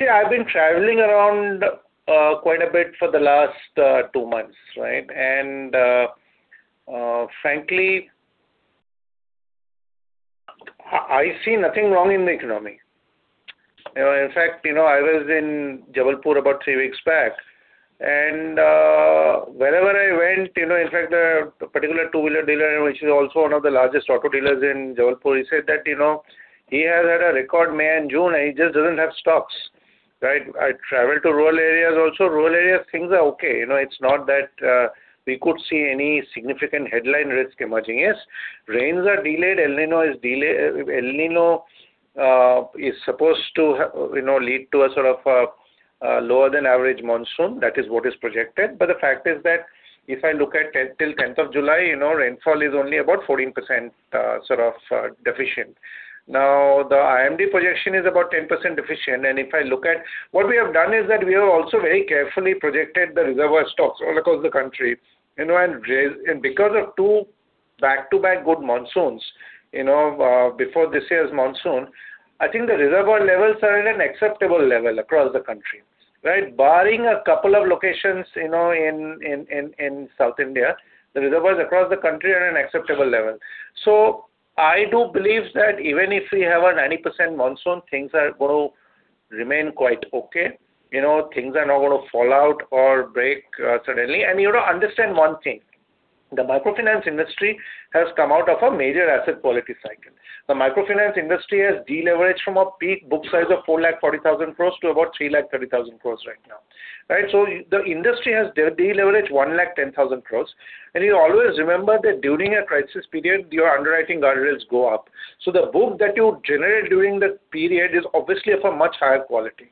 [SPEAKER 2] I've been traveling around quite a bit for the last two months, right? Frankly, I see nothing wrong in the economy. In fact, I was in Jabalpur about three weeks back. Wherever I went, in fact, the particular two-wheeler dealer, which is also one of the largest auto dealers in Jabalpur, he said that he has had a record May and June, and he just doesn't have stocks, right? I traveled to rural areas also. Rural areas, things are okay. It's not that we could see any significant headline risk emerging. Yes, rains are delayed. El Niño is supposed to lead to a sort of lower than average monsoon. That is what is projected. The fact is that if I look at till 10th of July, rainfall is only about 14% sort of deficient. Now the IMD projection is about 10% deficient. What we have done is that we have also very carefully projected the reservoir stocks all across the country. Because of two back-to-back good monsoons, before this year's monsoon, I think the reservoir levels are at an acceptable level across the country. Barring a couple of locations in South India, the reservoirs across the country are at an acceptable level. I do believe that even if we have a 90% monsoon, things are going to remain quite okay. Things are not going to fall out or break suddenly. You have to understand one thing, the microfinance industry has come out of a major asset quality cycle. The microfinance industry has de-leveraged from a peak book size of 440,000 crore to about 330,000 crore right now. The industry has de-leveraged 110,000 crore. You always remember that during a crisis period, your underwriting guard rails go up. The book that you generate during that period is obviously of a much higher quality.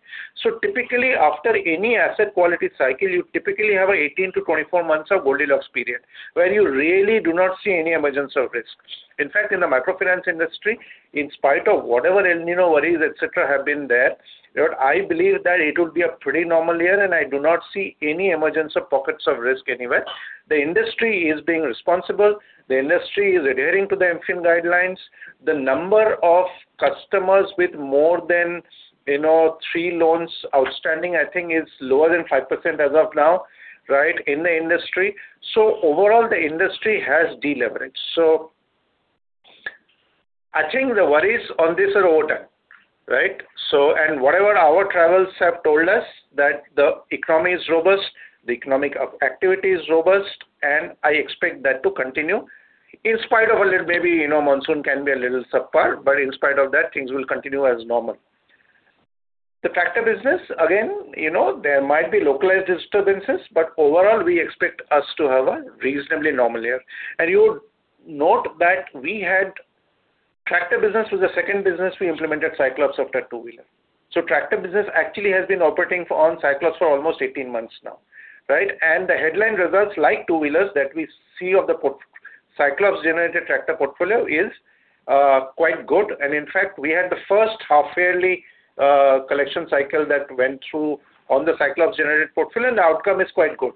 [SPEAKER 2] Typically after any asset quality cycle, you typically have an 18-24 months of Goldilocks period where you really do not see any emergence of risks. In fact, in the microfinance industry, in spite of whatever El Niño worries, et cetera, have been there, I believe that it would be a pretty normal year, and I do not see any emergence of pockets of risk anywhere. The industry is being responsible. The industry is adhering to the MFIN guidelines. The number of customers with more than three loans outstanding, I think is lower than 5% as of now in the industry. Overall the industry has de-leveraged. I think the worries on this are over. Whatever our travels have told us that the economy is robust, the economic activity is robust, and I expect that to continue in spite of a little, maybe monsoon can be a little subpar, but in spite of that, things will continue as normal. The tractor business, again, there might be localized disturbances, but overall, we expect us to have a reasonably normal year. You would note that tractor business was the second business we implemented Cyclops after two-wheeler. Tractor business actually has been operating on Cyclops for almost 18 months now. The headline results like two-wheelers that we see of the Cyclops-generated tractor portfolio is quite good, in fact, we had the first half-yearly collection cycle that went through on the Cyclops-generated portfolio and the outcome is quite good.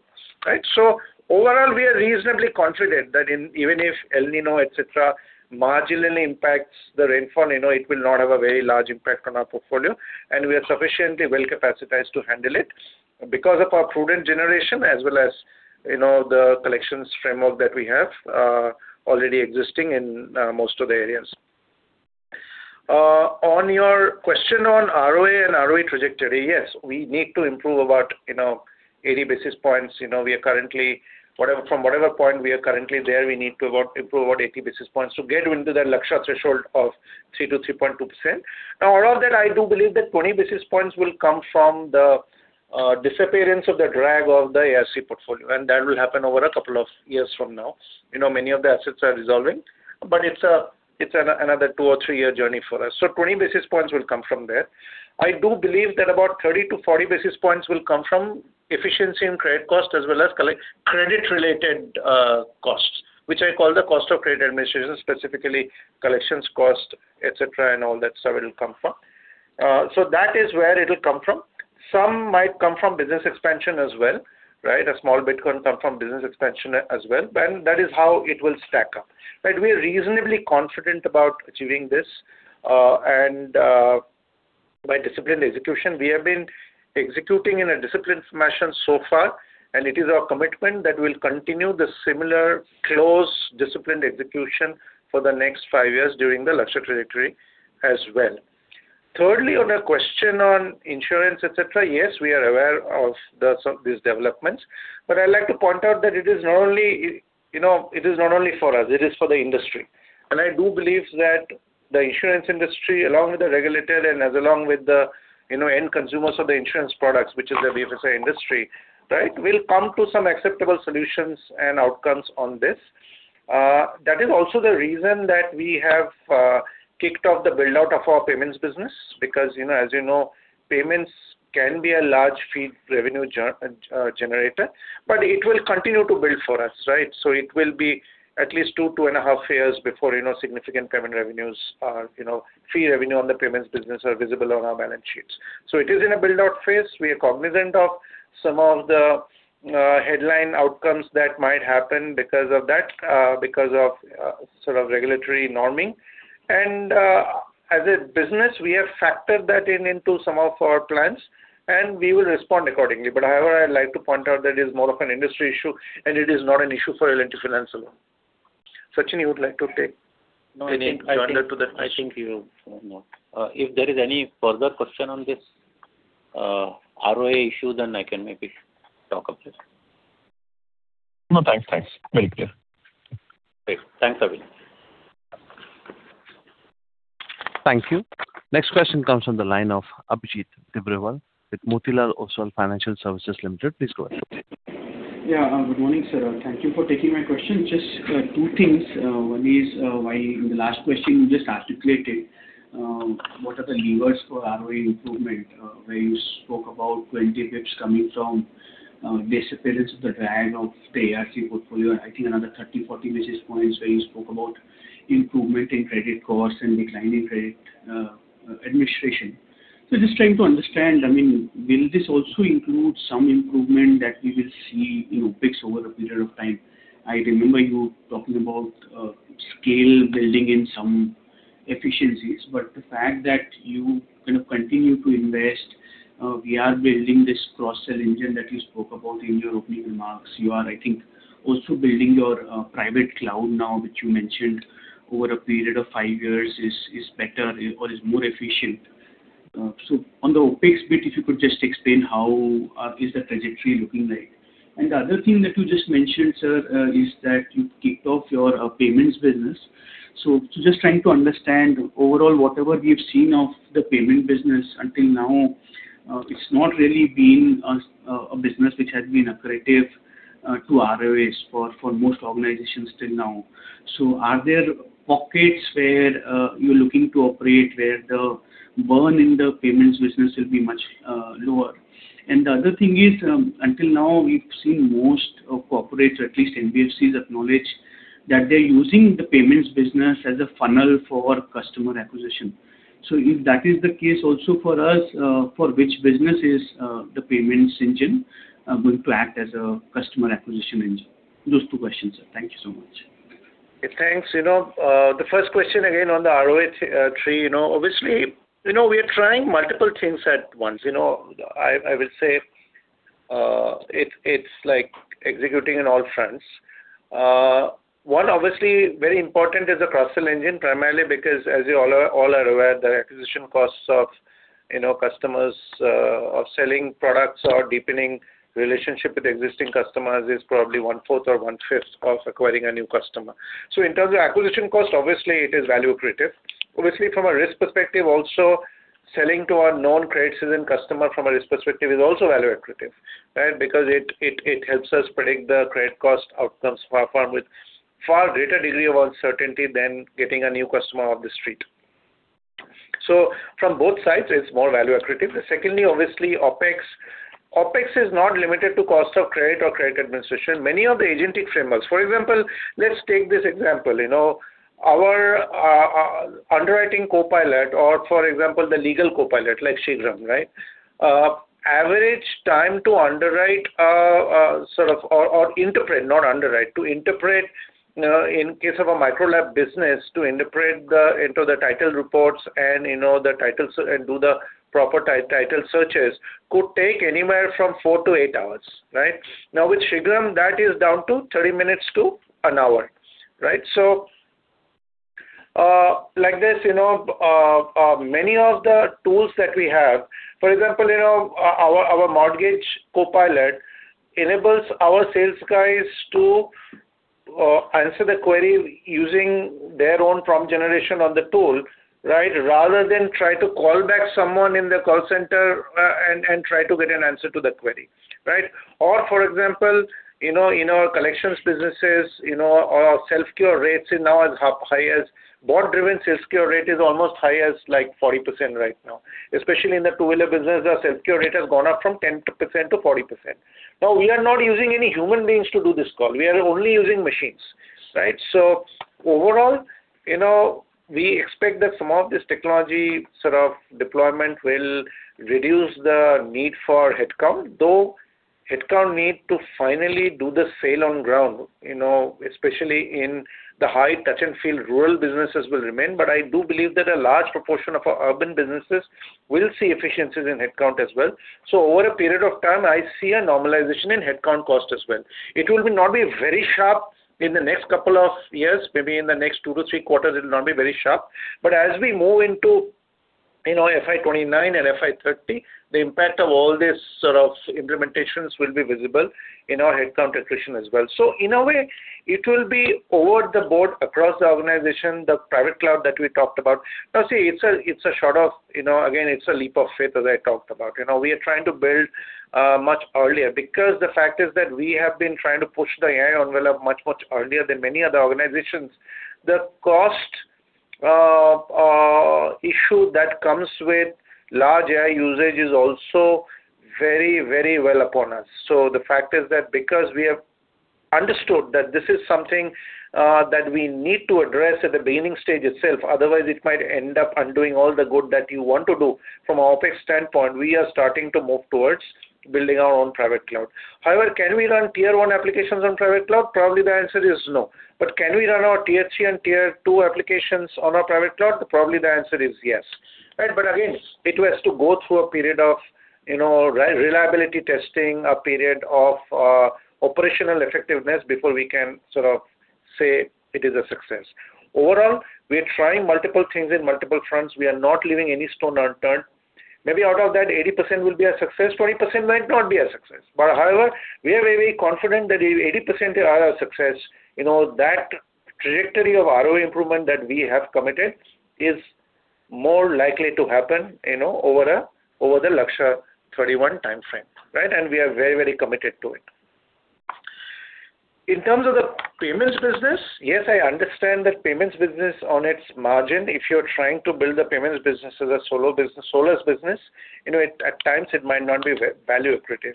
[SPEAKER 2] Overall we are reasonably confident that even if El Niño, et cetera, marginally impacts the rainfall, it will not have a very large impact on our portfolio and we are sufficiently well-capacitized to handle it because of our prudent generation as well as the collections framework that we have already existing in most of the areas. On your question on ROA and ROA trajectory, yes, we need to improve about 80 basis points. From whatever point we are currently there, we need to improve about 80 basis points to get into the Lakshya threshold of 3%-3.2%. Out of that, I do believe that 20 basis points will come from the disappearance of the drag of the ARC portfolio, and that will happen over a couple of years from now. Many of the assets are resolving, but it's another two- or three-year journey for us. 20 basis points will come from there. I do believe that about 30 to 40 basis points will come from efficiency in credit cost as well as credit-related costs, which I call the cost of credit administration, specifically collections cost, et cetera, and all that stuff it will come from. That is where it will come from. Some might come from business expansion as well. A small bit can come from business expansion as well. That is how it will stack up. We are reasonably confident about achieving this by disciplined execution. We have been executing in a disciplined fashion so far, it is our commitment that we will continue the similar close disciplined execution for the next five years during the Lakshya trajectory as well. Thirdly, on a question on insurance, et cetera, yes, we are aware of these developments, but I like to point out that it is not only for us, it is for the industry. I do believe that the insurance industry, along with the regulator and as along with the end consumers of the insurance products, which is the BFSI industry, will come to some acceptable solutions and outcomes on this. That is also the reason that we have kicked off the build-out of our payments business because as you know, payments can be a large fee revenue generator. It will continue to build for us. It will be at least two and a half years before significant fee revenue on the payments business are visible on our balance sheets. It is in a build-out phase. We are cognizant of some of the headline outcomes that might happen because of that, because of sort of regulatory norming. As a business, we have factored that in into some of our plans, and we will respond accordingly. However, I like to point out that it is more of an industry issue and it is not an issue for L&T Finance alone. Sachinn, you would like to take any to add on to that question?
[SPEAKER 3] I think you. No. If there is any further question on this ROA issue, I can maybe talk of this.
[SPEAKER 6] No, thanks. Very clear.
[SPEAKER 3] Great. Thanks, Avinash.
[SPEAKER 1] Thank you. Next question comes from the line of Abhijit Tibrewal with Motilal Oswal Financial Services Limited. Please go ahead.
[SPEAKER 7] Yeah. Good morning, sir. Thank you for taking my question. Just two things. One is, in the last question you just articulated, what are the levers for ROA improvement? Where you spoke about 20 basis points coming from disappearance of the drag of the ARC portfolio and I think another 30, 40 basis points where you spoke about improvement in credit costs and declining credit administration. Just trying to understand, will this also include some improvement that we will see in OpEx over a period of time? I remember you talking about scale building in some efficiencies, the fact that you continue to invest. We are building this cross-sell engine that you spoke about in your opening remarks. You are, I think, also building your private cloud now, which you mentioned over a period of five years is better or is more efficient. On the OpEx bit, if you could just explain how is the trajectory looking like. The other thing that you just mentioned, sir, is that you kicked off your payments business. Just trying to understand overall, whatever we have seen of the payment business until now, it's not really been a business which has been accretive to ROAs for most organizations till now. Are there pockets where you're looking to operate where the burn in the payments business will be much lower? The other thing is, until now, we've seen most corporates, or at least NBFCs, acknowledge that they're using the payments business as a funnel for customer acquisition. If that is the case also for us, for which business is the payments engine going to act as a customer acquisition engine? Those two questions, sir. Thank you so much.
[SPEAKER 2] Thanks. The first question again on the ROA tree. Obviously, we are trying multiple things at once. I will say it's like executing on all fronts. One obviously very important is the cross-sell engine, primarily because as you all are aware, the acquisition costs of customers, of selling products or deepening relationship with existing customers is probably 1/4 or 1/5 of acquiring a new customer. In terms of acquisition cost, obviously, it is value accretive. Obviously, from a risk perspective, also selling to our known credit citizen customer from a risk perspective is also value accretive. It helps us predict the credit cost outcomes far and with far greater degree of uncertainty than getting a new customer off the street. From both sides, it's more value accretive. Secondly, obviously, OpEx. OpEx is not limited to cost of credit or credit administration. Many of the agentic frameworks. For example, let's take this example. Our underwriting copilot or, for example, the legal copilot like ShigraM. Average time to underwrite or interpret, not underwrite, to interpret in case of a Micro loan business, to interpret into the title reports and do the proper title searches could take anywhere from four to eight hours. Now, with ShigraM, that is down to 30 minutes to one hour. Like this, many of the tools that we have, for example, our mortgage copilot enables our sales guys to answer the query using their own prompt generation on the tool rather than try to call back someone in the call center and try to get an answer to the query. Or, for example, in our collections businesses, our self-cure rates now is high as board-driven sales cure rate is almost high as like 40% right now. Especially in the two-wheeler business, our self-cure rate has gone up from 10% to 40%. We are not using any human beings to do this call. We are only using machines. Overall, we expect that some of this technology deployment will reduce the need for headcount, though headcount need to finally do the sale on ground especially in the high touch-and-feel rural businesses will remain. I do believe that a large proportion of our urban businesses will see efficiencies in headcount as well. Over a period of time, I see a normalization in headcount cost as well. It will not be very sharp in the next couple of years. Maybe in the next two to three quarters, it will not be very sharp. As we move into FY 2029 and FY 2030, the impact of all this sort of implementations will be visible in our headcount attrition as well. In a way, it will be across the board across the organization, the private cloud that we talked about. See, again, it's a leap of faith, as I talked about. We are trying to build much earlier because the fact is that we have been trying to push the AI envelope much, much earlier than many other organizations. The cost issue that comes with large AI usage is also very well upon us. The fact is that because we have understood that this is something that we need to address at the beginning stage itself, otherwise it might end up undoing all the good that you want to do. From OpEx standpoint, we are starting to move towards building our own private cloud. However, can we run Tier 1 applications on private cloud? Probably the answer is no. Can we run our Tier 3 and Tier 2 applications on our private cloud? Probably the answer is yes. Again, it has to go through a period of reliability testing, a period of operational effectiveness before we can say it is a success. Overall, we are trying multiple things in multiple fronts. We are not leaving any stone unturned. Maybe out of that 80% will be a success, 20% might not be a success. However, we are very confident that if 80% are a success, that trajectory of ROA improvement that we have committed is more likely to happen over the Lakshya 2031 timeframe. We are very, very committed to it. In terms of the payments business, yes, I understand that payments business on its margin, if you're trying to build the payments business as a solo business, at times it might not be value accretive.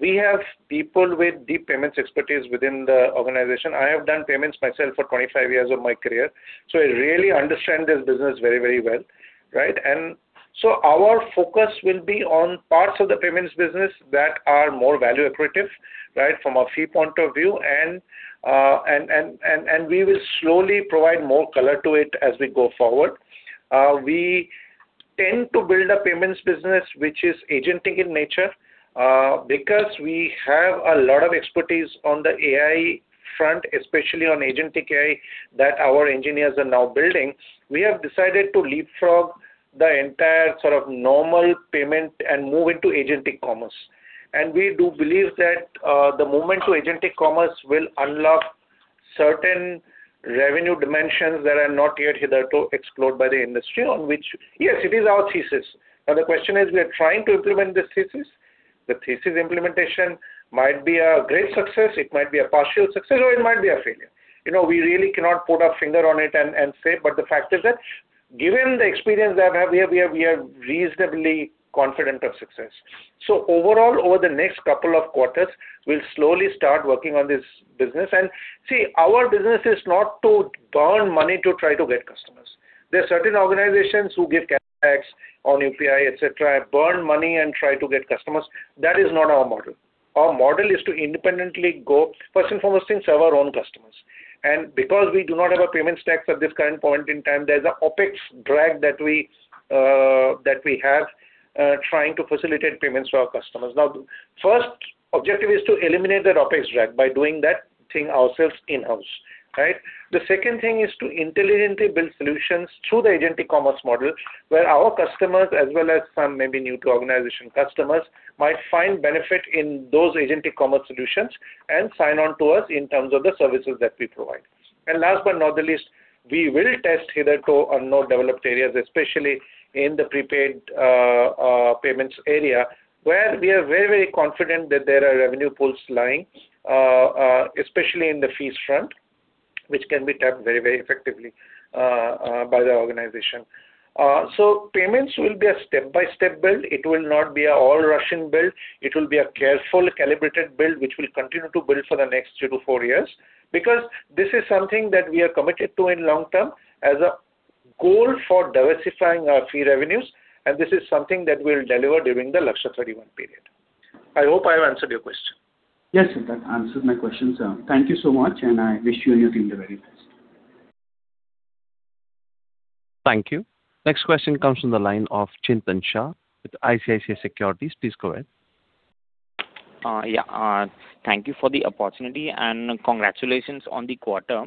[SPEAKER 2] We have people with deep payments expertise within the organization. I have done payments myself for 25 years of my career, I really understand this business very well. Our focus will be on parts of the payments business that are more value accretive from a fee point of view, and we will slowly provide more color to it as we go forward. We tend to build a payments business which is agentic in nature because we have a lot of expertise on the AI front, especially on agentic AI, that our engineers are now building. We have decided to leapfrog the entire normal payment and move into agentic commerce. We do believe that the movement to agentic commerce will unlock certain revenue dimensions that are not yet hitherto explored by the industry on which, yes, it is our thesis. The question is, we are trying to implement this thesis. The thesis implementation might be a great success, it might be a partial success, or it might be a failure. We really cannot put our finger on it and say, the fact is that given the experience that we have, we are reasonably confident of success. Overall, over the next couple of quarters, we'll slowly start working on this business. See, our business is not to burn money to try to get customers. There are certain organizations who give on UPI, et cetera, burn money and try to get customers. That is not our model. Our model is to independently go, first and foremost thing, serve our own customers. Because we do not have a payment stack at this current point in time, there's a OpEx drag that we have trying to facilitate payments to our customers. First objective is to eliminate that OpEx drag by doing that thing ourselves in-house. The second thing is to intelligently build solutions through the agentic commerce model where our customers as well as some maybe new-to-organization customers might find benefit in those agentic commerce solutions and sign on to us in terms of the services that we provide. Last but not the least, we will test hitherto unknown developed areas, especially in the prepaid payments area, where we are very confident that there are revenue pools lying, especially in the fees front, which can be tapped very effectively by the organization. Payments will be a step-by-step build. It will not be an all-rushing build. It will be a careful, calibrated build, which we'll continue to build for the next two to four years. This is something that we are committed to in long term as a goal for diversifying our fee revenues, and this is something that we'll deliver during the Lakshya 2031 period. I hope I have answered your question.
[SPEAKER 7] Yes, that answered my question, sir. Thank you so much, and I wish you and your team the very best.
[SPEAKER 1] Thank you. Next question comes from the line of Chintan Shah with ICICI Securities. Please go ahead.
[SPEAKER 8] Yeah. Thank you for the opportunity, and congratulations on the quarter.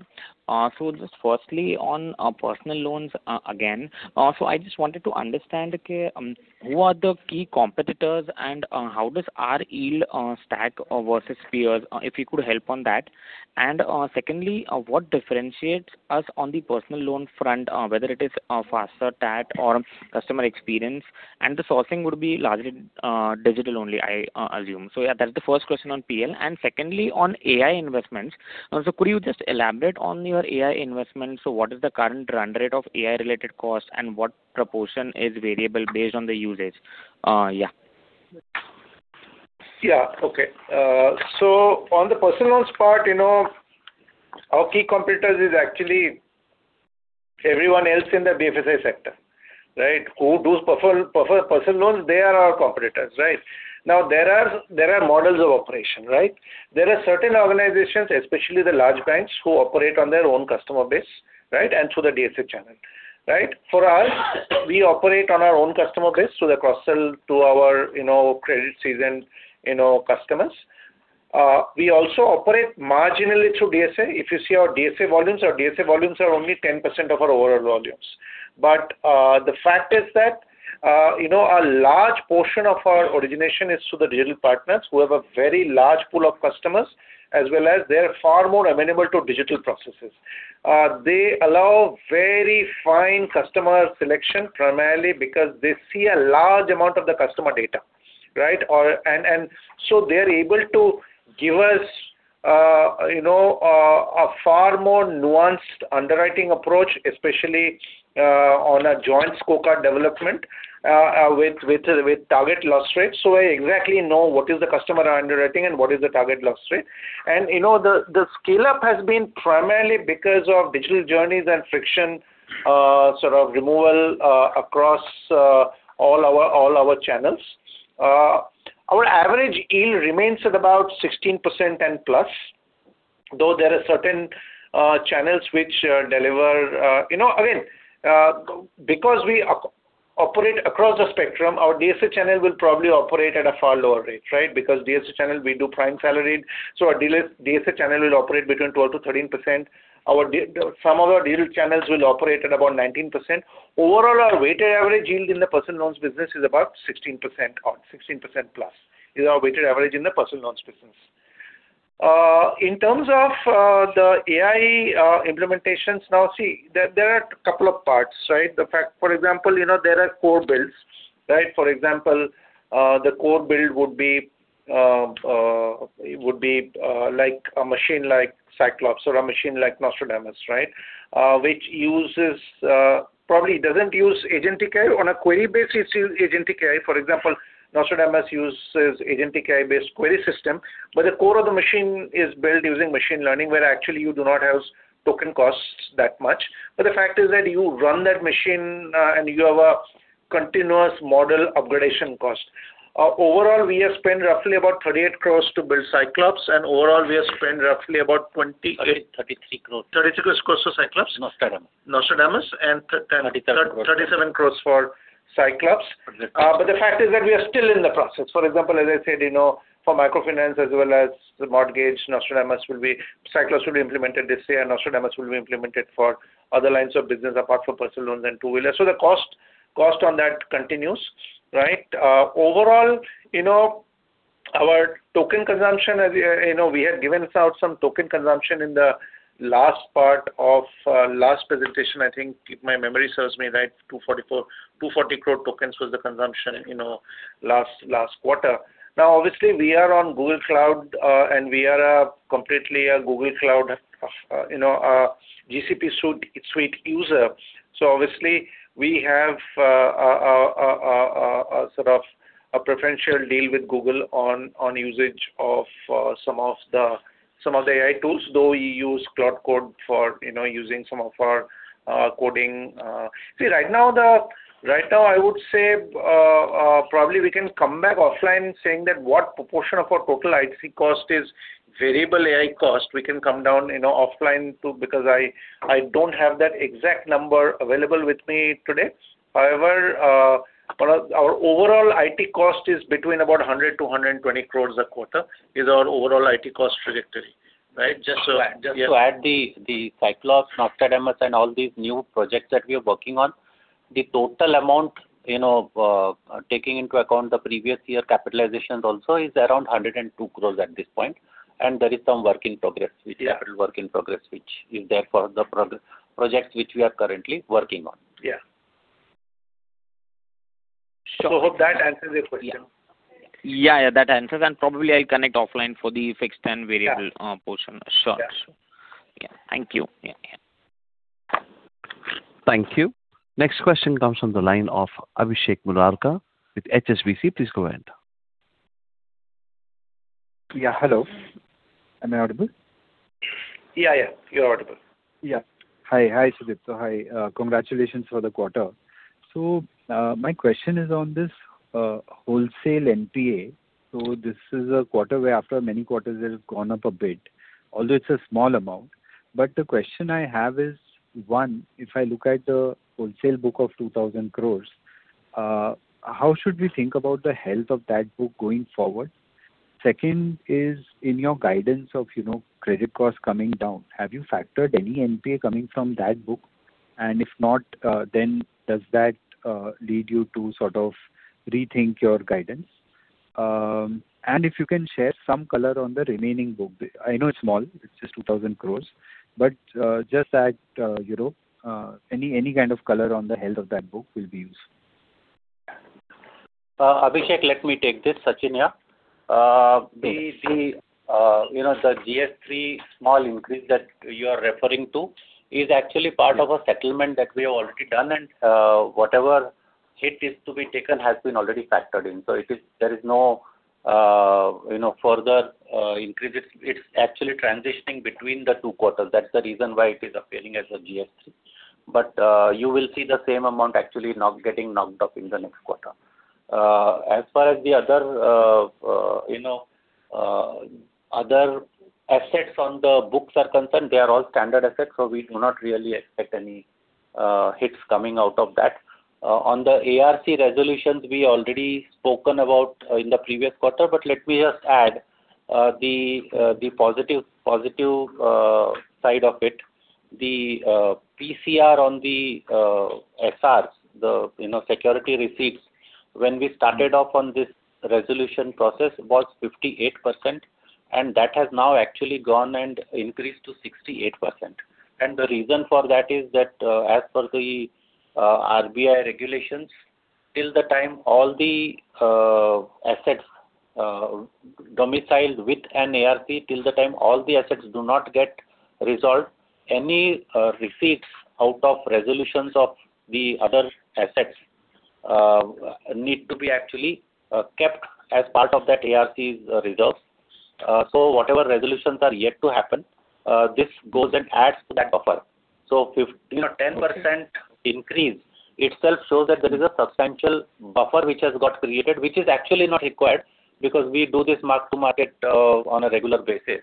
[SPEAKER 8] Just firstly, on personal loans, again. I just wanted to understand who are the key competitors and how does our yield stack versus peers, if you could help on that. Secondly, what differentiates us on the personal loan front, whether it is faster TAT or customer experience? The sourcing would be largely digital only, I assume. Yeah, that's the first question on PL. Secondly, on AI investments. Could you just elaborate on your AI investments? What is the current run rate of AI-related costs and what proportion is variable based on the usage? Yeah.
[SPEAKER 2] Yeah. Okay. On the personal loans part, our key competitors is actually everyone else in the BFSI sector. Who does personal loans, they are our competitors. Now, there are models of operation. There are certain organizations, especially the large banks, who operate on their own customer base, and through the DSA channel. For us, we operate on our own customer base, so the cross-sell to our credit seasoned customers. We also operate marginally through DSA. If you see our DSA volumes, our DSA volumes are only 10% of our overall volumes. The fact is that a large portion of our origination is through the digital partners who have a very large pool of customers, as well as they're far more amenable to digital processes. They allow very fine customer selection, primarily because they see a large amount of the customer data. They're able to give us a far more nuanced underwriting approach, especially on a joint co-create development with target loss rates. I exactly know what is the customer underwriting and what is the target loss rate. The scale-up has been primarily because of digital journeys and friction removal across all our channels. Our average yield remains at about 16% and plus. Though there are certain channels which. Again, because we operate across the spectrum, our DSA channel will probably operate at a far lower rate. Because DSA channel, we do prime salaried. Our DSA channel will operate between 12%-13%. Some of our digital channels will operate at about 19%. Overall, our weighted average yield in the personal loans business is about 16% or 16% plus, is our weighted average in the personal loans business. In terms of the AI implementations, now see, there are a couple of parts. For example, there are core builds. For example, the core build would be a machine like Cyclops or a machine like Nostradamus. Probably doesn't use agentic AI on a query basis. For example, Nostradamus uses agentic AI-based query system, but the core of the machine is built using machine learning, where actually you do not have token costs that much. The fact is that you run that machine and you have a continuous model upgradation cost. Overall, we have spent roughly about 38 crore to build Cyclops, and overall, we have spent roughly about 20-
[SPEAKER 3] 33 crore.
[SPEAKER 2] 33 crore cost for Cyclops?
[SPEAKER 3] Nostradamus.
[SPEAKER 2] Nostradamus and-
[SPEAKER 3] 37 crore
[SPEAKER 2] 37 crore for Cyclops. The fact is that we are still in the process. For example, as I said, for Microfinance as well as the mortgage, Cyclops will be implemented this year, and Nostradamus will be implemented for other lines of business apart from personal loans and two-wheeler. The cost on that continues. Overall, our token consumption, we had given out some token consumption in the last part of last presentation. I think if my memory serves me right, 240 crore tokens was the consumption last quarter. Obviously, we are on Google Cloud, and we are completely a Google Cloud GCP suite user. Obviously, we have a preferential deal with Google on usage of some of the AI tools, though we use Cloud Code for using some of our coding. Right now I would say, probably we can come back offline saying that what proportion of our total IT cost is variable AI cost. We can come down offline too, because I don't have that exact number available with me today. However, our overall IT cost is between about 100 crore-120 crore a quarter, is our overall IT cost trajectory.
[SPEAKER 3] Just to add, the Cyclops, Nostradamus, and all these new projects that we are working on, the total amount, taking into account the previous year capitalizations also is around 102 crore at this point, and there is some work in progress.
[SPEAKER 2] Yeah
[SPEAKER 3] which is capital work in progress, which is there for the projects which we are currently working on.
[SPEAKER 2] Hope that answers your question.
[SPEAKER 8] Yeah. That answers. Probably I'll connect offline for the fixed and variable portion. Sure.
[SPEAKER 2] Yeah.
[SPEAKER 8] Thank you. Yeah.
[SPEAKER 1] Thank you. Next question comes from the line of Abhishek Murarka with HSBC. Please go ahead.
[SPEAKER 9] Yeah. Hello. Am I audible?
[SPEAKER 2] Yeah. You're audible.
[SPEAKER 9] Yeah. Hi, Sudipta. Hi. Congratulations for the quarter. My question is on this wholesale NPA. This is a quarter where after many quarters it has gone up a bit, although it's a small amount. The question I have is, one, if I look at the wholesale book of 2,000 crores, how should we think about the health of that book going forward? Second is, in your guidance of credit cost coming down, have you factored any NPA coming from that book? If not, does that lead you to rethink your guidance? If you can share some color on the remaining book. I know it's small, it's just 2,000 crores, but just add any kind of color on the health of that book will be useful.
[SPEAKER 3] Abhishek, let me take this. Sachinn, yeah.
[SPEAKER 9] Please.
[SPEAKER 3] The GS3 small increase that you are referring to is actually part of a settlement that we have already done, and whatever hit is to be taken has been already factored in. There is no further increase. It's actually transitioning between the two quarters. That's the reason why it is appearing as a GS3. You will see the same amount actually now getting knocked off in the next quarter. As far as the other assets on the books are concerned, they are all standard assets, so we do not really expect any hits coming out of that. On the ARC resolutions, we already spoken about in the previous quarter, but let me just add the positive side of it. The PCR on the SRs, the security receipts, when we started off on this resolution process, was 58%, and that has now actually gone and increased to 68%. The reason for that is that, as per the RBI regulations, till the time all the assets domiciled with an ARC, till the time all the assets do not get resolved, any receipts out of resolutions of the other assets need to be actually kept as part of that ARC's resolve. Whatever resolutions are yet to happen, this goes and adds to that buffer. 10% increase itself shows that there is a substantial buffer which has got created, which is actually not required because we do this mark-to-market on a regular basis.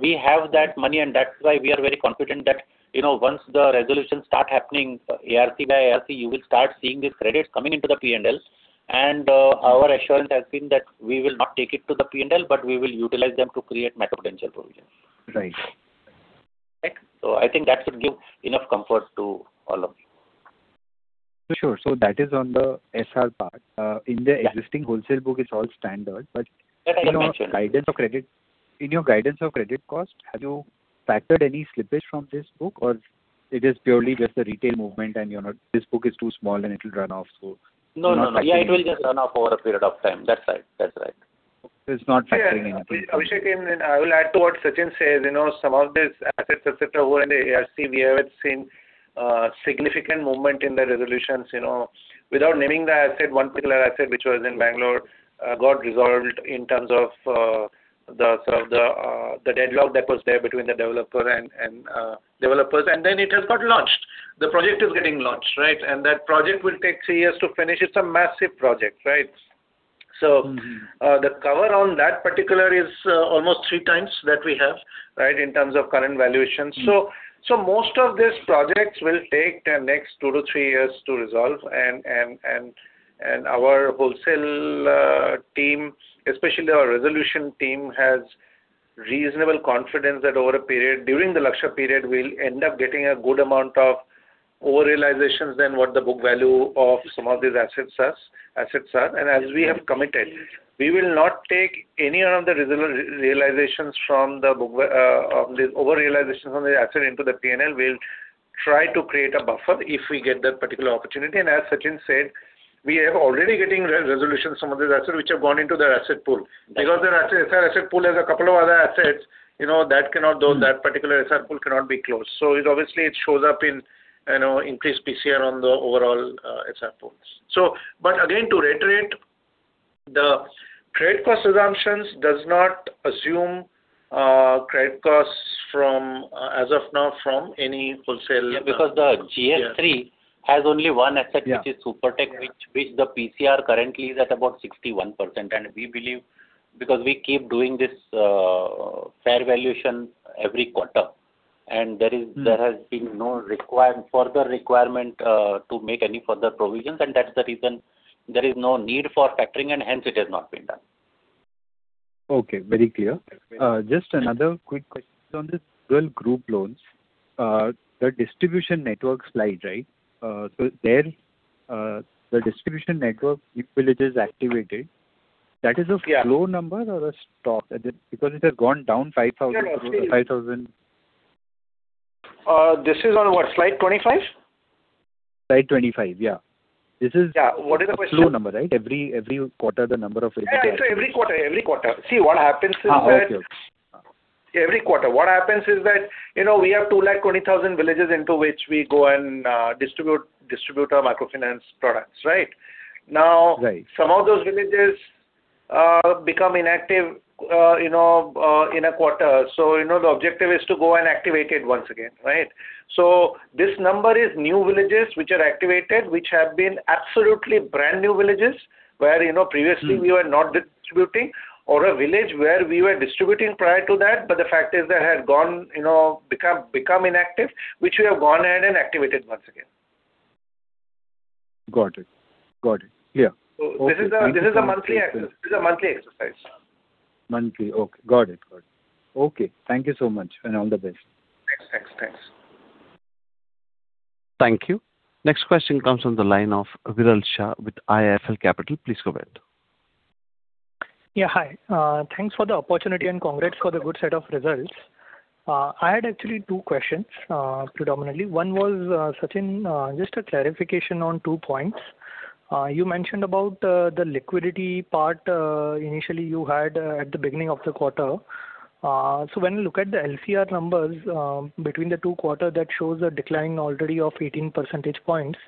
[SPEAKER 3] We have that money, and that's why we are very confident that once the resolutions start happening, ARC by ARC, you will start seeing these credits coming into the P&L. Our assurance has been that we will not take it to the P&L, but we will utilize them to create macro potential provisions.
[SPEAKER 9] Right.
[SPEAKER 3] I think that should give enough comfort to all of you.
[SPEAKER 9] Sure. That is on the SR part. In the existing wholesale book, it's all standard.
[SPEAKER 3] That I have mentioned
[SPEAKER 9] In your guidance of credit cost, have you factored any slippage from this book or it is purely just the retail movement and this book is too small and it will run off, so you're not factoring it in?
[SPEAKER 3] No. It will just run off over a period of time. That's right.
[SPEAKER 9] It's not factoring anything.
[SPEAKER 2] Abhishek, I will add to what Sachinn says. Some of these assets, et cetera, over in the ARC, we have seen significant movement in the resolutions. Without naming the asset, one particular asset which was in Bengaluru got resolved in terms of the deadlock that was there between the developers. Then it has got launched. The project is getting launched. Right? That project will take three years to finish. It's a massive project. Right? The cover on that particular is almost three times that we have in terms of current valuations. Most of these projects will take the next two to three years to resolve and our wholesale team, especially our resolution team, has reasonable confidence that over a period, during the Lakshya period, we'll end up getting a good amount of over-realizations than what the book value of some of these assets are. As we have committed, we will not take any of the over-realizations from the asset into the P&L. We'll try to create a buffer if we get that particular opportunity. As Sachinn said, we are already getting resolutions, some of these assets which have gone into their asset pool. Their asset pool has a couple of other assets, that particular asset pool cannot be closed. Obviously, it shows up in increased PCR on the overall asset pools. Again, to reiterate, the credit cost assumptions does not assume credit costs as of now from any wholesale-
[SPEAKER 3] The GS3 has only one asset which is Supertech, which the PCR currently is at about 61%. We keep doing this fair valuation every quarter, and there has been no further requirement to make any further provisions. That's the reason there is no need for factoring and hence it has not been done.
[SPEAKER 9] Okay. Very clear. Just another quick question on this rural group loans. The distribution network slide. There, the distribution network villages activated, that is a flow number or a stock? Because it has gone down 5,000.
[SPEAKER 2] This is on what? Slide 25?
[SPEAKER 9] Slide 25, yeah.
[SPEAKER 2] What is the question?
[SPEAKER 9] Flow number, right? Every quarter, the number of villages that are activated.
[SPEAKER 2] Yeah. Every quarter. See, what happens is that
[SPEAKER 9] Okay
[SPEAKER 2] Every quarter, what happens is that we have 220,000 villages into which we go and distribute our microfinance products. Right?
[SPEAKER 9] Right.
[SPEAKER 2] Some of those villages become inactive in a quarter. The objective is to go and activate it once again. Right? This number is new villages which are activated, which have been absolutely brand new villages where previously we were not distributing or a village where we were distributing prior to that. The fact is that had become inactive, which we have gone ahead and activated once again.
[SPEAKER 9] Got it. Yeah. Okay. Thank you.
[SPEAKER 2] This is a monthly exercise.
[SPEAKER 9] Monthly. Okay. Got it. Okay. Thank you so much. All the best.
[SPEAKER 2] Thanks.
[SPEAKER 1] Thank you. Next question comes on the line of Viral Shah with IIFL Capital. Please go ahead.
[SPEAKER 10] Hi. Thanks for the opportunity and congrats for the good set of results. I had actually two questions predominantly. One was, Sachinn, just a clarification on two points. You mentioned about the liquidity part initially you had at the beginning of the quarter. When you look at the LCR numbers between the two quarter, that shows a decline already of 18 percentage points.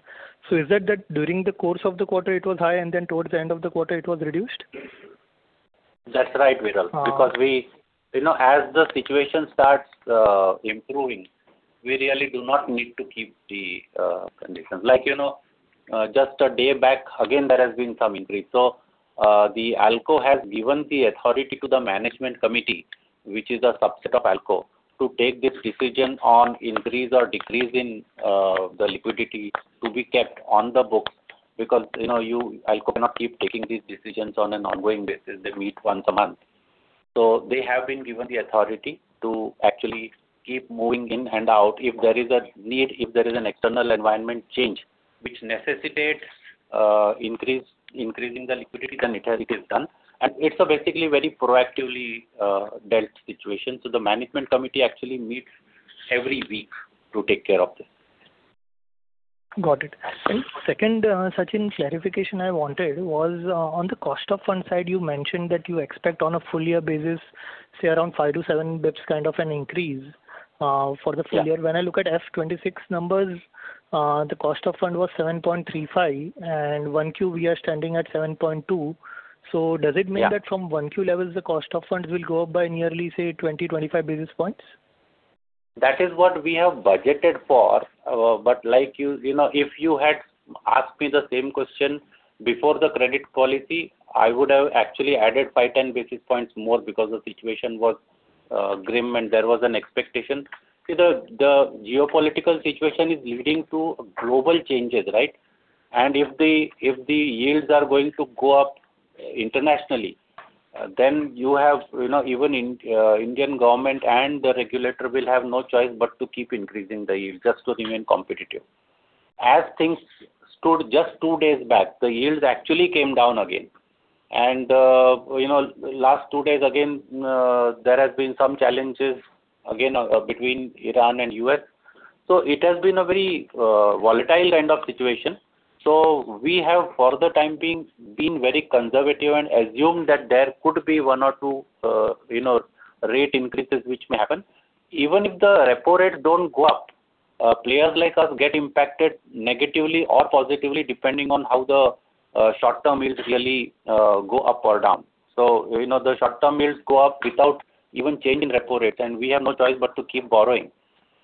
[SPEAKER 10] Is that during the course of the quarter it was high and then towards the end of the quarter it was reduced?
[SPEAKER 3] That's right, Viral. As the situation starts improving, we really do not need to keep the conditions. Just a day back, again, there has been some increase. The ALCO has given the authority to the management committee, which is a subset of ALCO, to take this decision on increase or decrease in the liquidity to be kept on the books because ALCO cannot keep taking these decisions on an ongoing basis. They meet once a month. They have been given the authority to actually keep moving in and out if there is a need, if there is an external environment change which necessitates increasing the liquidity, then it is done. It's a basically very proactively dealt situation. The management committee actually meets every week to take care of this.
[SPEAKER 10] Got it. Second, Sachinn, clarification I wanted was on the cost of fund side, you mentioned that you expect on a full year basis, say around 5 to 7 basis points kind of an increase for the full year. When I look at FY 2026 numbers, the cost of fund was 7.35 and 1Q, we are standing at 7.2. Does it mean that from 1Q levels, the cost of funds will go up by nearly, say, 20, 25 basis points?
[SPEAKER 3] That is what we have budgeted for. If you had asked me the same question before the credit policy, I would have actually added 5, 10 basis points more because the situation was grim and there was an expectation. The geopolitical situation is leading to global changes, right? If the yields are going to go up internationally, then even Indian government and the regulator will have no choice but to keep increasing the yield just to remain competitive. As things stood just two days back, the yields actually came down again. Last two days again, there has been some challenges between Iran and U.S. It has been a very volatile kind of situation. We have, for the time being, been very conservative and assumed that there could be 1 or 2 rate increases which may happen. Even if the repo rate doesn't go up, players like us get impacted negatively or positively depending on how the short-term yields really go up or down. The short-term yields go up without even changing repo rates, and we have no choice but to keep borrowing.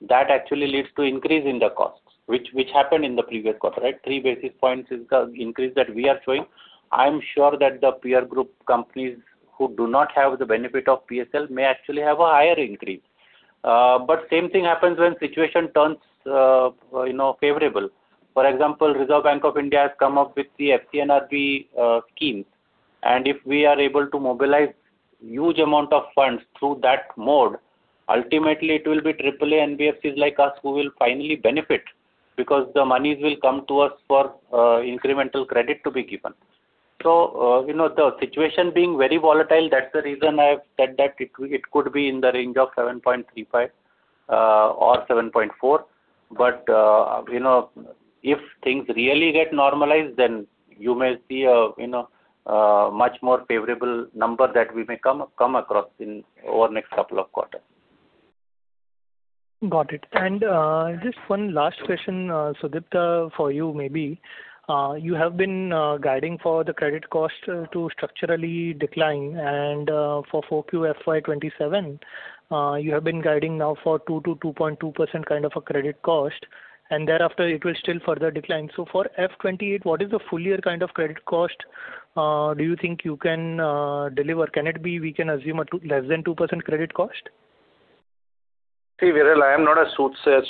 [SPEAKER 3] That actually leads to increase in the costs, which happened in the previous quarter. 3 basis points is the increase that we are showing. I'm sure that the peer group companies who do not have the benefit of PSL may actually have a higher increase. Same thing happens when situation turns favorable. For example, Reserve Bank of India has come up with the FCNR scheme, and if we are able to mobilize huge amount of funds through that mode, ultimately it will be AAA NBFCs like us who will finally benefit, because the monies will come to us for incremental credit to be given. The situation being very volatile, that's the reason I've said that it could be in the range of 7.35 or 7.4. If things really get normalized, then you may see a much more favorable number that we may come across over the next couple of quarters.
[SPEAKER 10] Got it. Just one last question, Sudipta, for you maybe. You have been guiding for the credit cost to structurally decline and for 4Q FY 2027, you have been guiding now for 2%-2.2% kind of a credit cost, and thereafter it will still further decline. For FY 2028, what is the full year kind of credit cost do you think you can deliver? Can it be we can assume less than 2% credit cost?
[SPEAKER 2] See, Viral, I am not a soothsayer.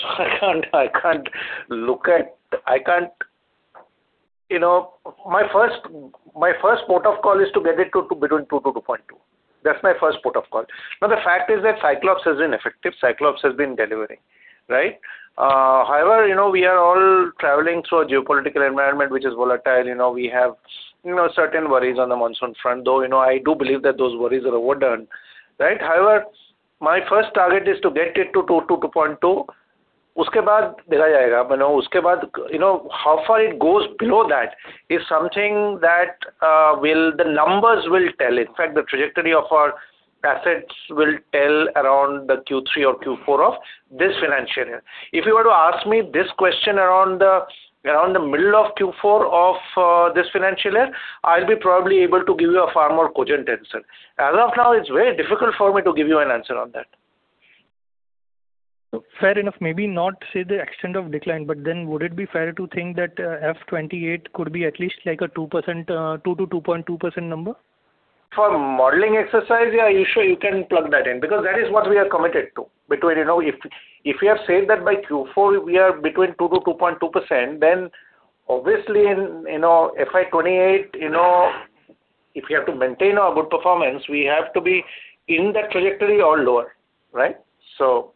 [SPEAKER 2] My first port of call is to get it to between 2%-2.2%. That's my first port of call. The fact is that Cyclops has been effective. Cyclops has been delivering. Right. We are all traveling through a geopolitical environment which is volatile. We have certain worries on the monsoon front, though I do believe that those worries are overdone. Right. My first target is to get it to 2%-2.2%. How far it goes below that is something that the numbers will tell. In fact, the trajectory of our assets will tell around the Q3 or Q4 of this financial year. If you were to ask me this question around the middle of Q4 of this financial year, I'll be probably able to give you a far more cogent answer. As of now, it's very difficult for me to give you an answer on that.
[SPEAKER 10] Fair enough. Maybe not say the extent of decline, but then would it be fair to think that FY 2028 could be at least like a 2%-2.2% number?
[SPEAKER 2] For modeling exercise, yeah, sure, you can plug that in because that is what we are committed to. If we have said that by Q4 we are between 2%-2.2%, then obviously in FY 2028, if we have to maintain our good performance, we have to be in that trajectory or lower. Right? For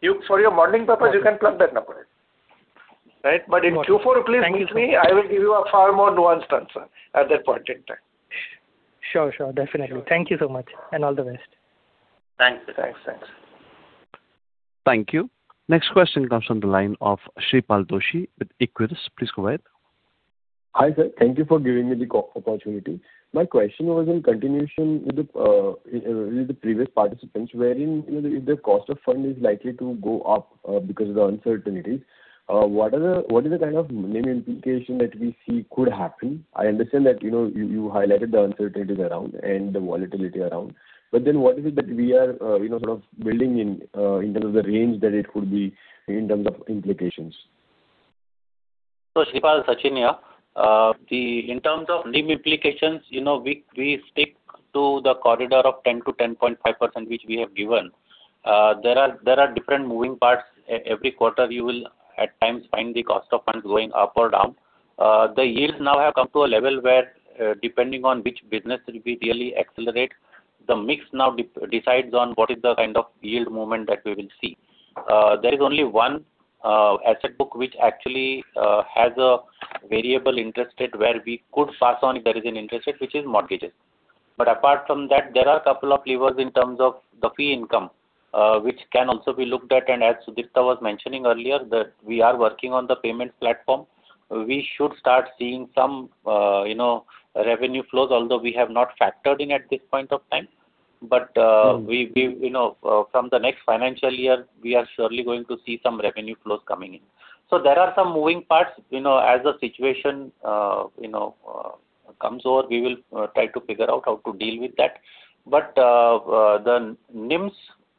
[SPEAKER 2] your modeling purpose, you can plug that number in. Right. In Q4, please meet me, I will give you a far more nuanced answer at that point in time.
[SPEAKER 10] Sure. Definitely. Thank you so much, and all the best.
[SPEAKER 2] Thanks.
[SPEAKER 3] Thanks.
[SPEAKER 1] Thank you. Next question comes on the line of Shreepal Doshi with Equirus. Please go ahead.
[SPEAKER 11] Hi, sir. Thank you for giving me the opportunity. My question was in continuation with the previous participants, wherein if the cost of fund is likely to go up because of the uncertainties, what is the kind of main implication that we see could happen? I understand that you highlighted the uncertainties around and the volatility around, what is it that we are sort of building in terms of the range that it could be in terms of implications?
[SPEAKER 3] Shreepal, Sachinn here. In terms of NIM implications, we stick to the corridor of 10%-10.5%, which we have given. There are different moving parts. Every quarter, you will at times find the cost of funds going up or down. The yields now have come to a level where, depending on which business will be really accelerate, the mix now decides on what is the kind of yield movement that we will see. There is only one asset book which actually has a variable interest rate where we could pass on if there is an interest rate, which is mortgages. Apart from that, there are a couple of levers in terms of the fee income, which can also be looked at. As Sudipta was mentioning earlier, that we are working on the payment platform. We should start seeing some revenue flows, although we have not factored in at this point of time. From the next financial year, we are surely going to see some revenue flows coming in. There are some moving parts. As the situation comes over, we will try to figure out how to deal with that. The NIMs,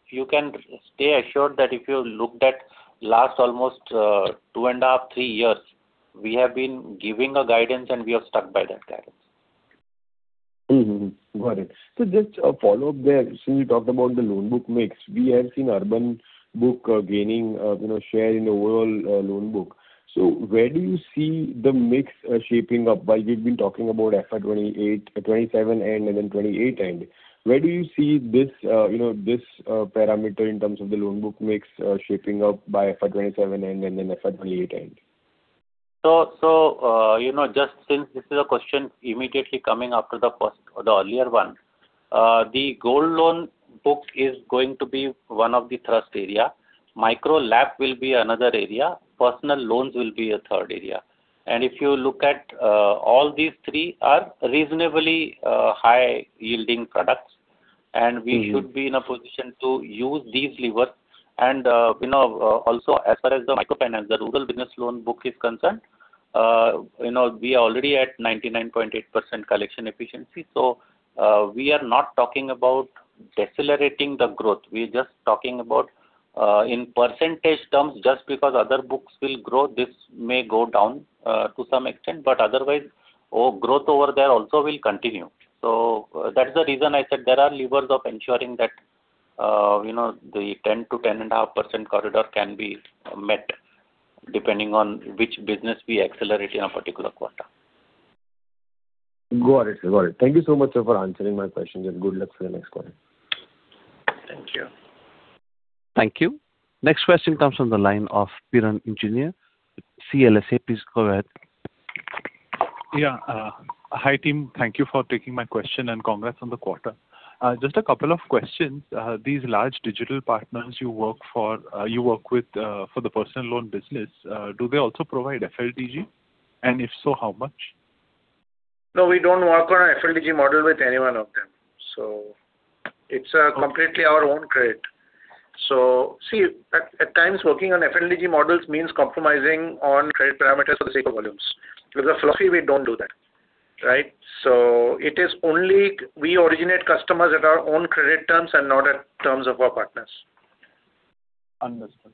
[SPEAKER 3] you can stay assured that if you looked at last almost two and a half, three years, we have been giving a guidance and we have stuck by that guidance.
[SPEAKER 11] Got it. Just a follow-up there. Since you talked about the loan book mix, we have seen urban book gaining share in the overall loan book. Where do you see the mix shaping up while we've been talking about FY 2027 end and then FY 2028 end. Where do you see this parameter in terms of the loan book mix shaping up by FY 2027 end and then FY 2028 end?
[SPEAKER 3] Just since this is a question immediately coming after the earlier one. The gold loan book is going to be one of the thrust area. Micro loan will be another area. Personal loans will be a third area. If you look at all these three are reasonably high-yielding products, and we should be in a position to use these levers. Also as far as the microfinance, the rural business loan book is concerned, we are already at 99.8% collection efficiency. We are not talking about decelerating the growth. We are just talking about, in percentage terms, just because other books will grow, this may go down to some extent, but otherwise, growth over there also will continue. That is the reason I said there are levers of ensuring that the 10%-10.5% corridor can be met depending on which business we accelerate in a particular quarter.
[SPEAKER 11] Got it. Thank you so much, sir, for answering my question and good luck for the next quarter.
[SPEAKER 3] Thank you.
[SPEAKER 1] Thank you. Next question comes from the line of Piran Engineer, CLSA. Please go ahead.
[SPEAKER 12] Yeah. Hi, team. Thank you for taking my question and congrats on the quarter. Just a couple of questions. These large digital partners you work with for the personal loan business, do they also provide FLDG? And if so, how much?
[SPEAKER 2] No, we don't work on a FLDG model with any one of them. It's completely our own credit. See, at times working on FLDG models means compromising on credit parameters or sacred volumes. Because of FLDG, we don't do that. Right? We originate customers at our own credit terms and not at terms of our partners.
[SPEAKER 12] Understood.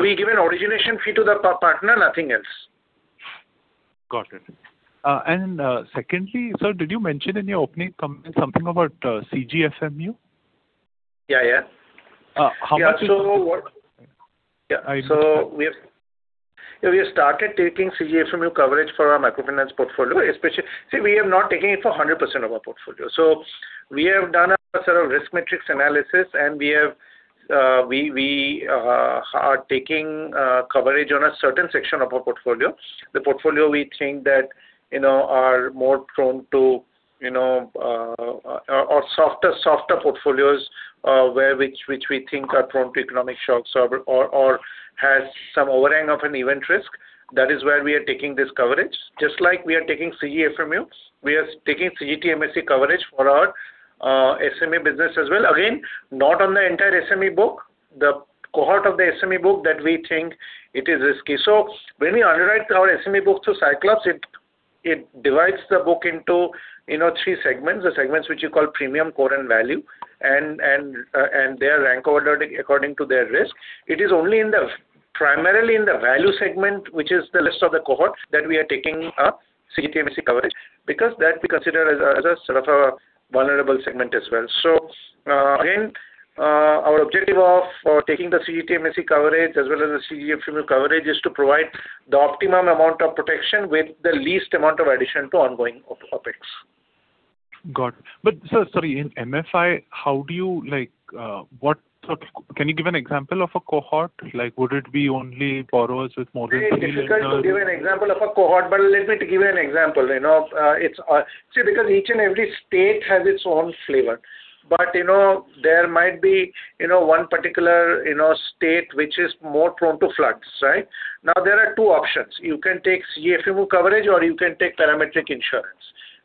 [SPEAKER 2] We give an origination fee to the partner, nothing else.
[SPEAKER 12] Got it. Secondly, sir, did you mention in your opening comments something about CGFMU?
[SPEAKER 2] Yeah.
[SPEAKER 12] How much is-
[SPEAKER 2] Yeah.
[SPEAKER 12] I missed that.
[SPEAKER 2] We have started taking CGFMU coverage for our Microfinance portfolio, especially. We have not taken it for 100% of our portfolio. We have done a sort of risk matrix analysis, and we are taking coverage on a certain section of our portfolio. The portfolio we think that are more prone to or softer portfolios which we think are prone to economic shocks or has some overhang of an event risk. That is where we are taking this coverage. Just like we are taking CGFMUs, we are taking CGTMSE coverage for our SME business as well. Again, not on the entire SME book, the cohort of the SME book that we think it is risky. When we underwrite our SME book through Cyclops, it divides the book into three segments. The segments which you call premium core and value, and they are rank ordered according to their risk. It is only primarily in the value segment, which is the list of the cohort that we are taking a CGTMSE coverage because that we consider as a sort of a vulnerable segment as well. Again, our objective of taking the CGTMSE coverage as well as the CGFMU coverage is to provide the optimum amount of protection with the least amount of addition to ongoing OpEx.
[SPEAKER 12] Got it. Sir, sorry, in MFI, can you give an example of a cohort? Would it be only borrowers with more than three lenders?
[SPEAKER 2] It's difficult to give an example of a cohort, let me give you an example. Because each and every state has its own flavor. There might be one particular state which is more prone to floods, right? Now, there are two options. You can take CGFMU coverage or you can take parametric insurance.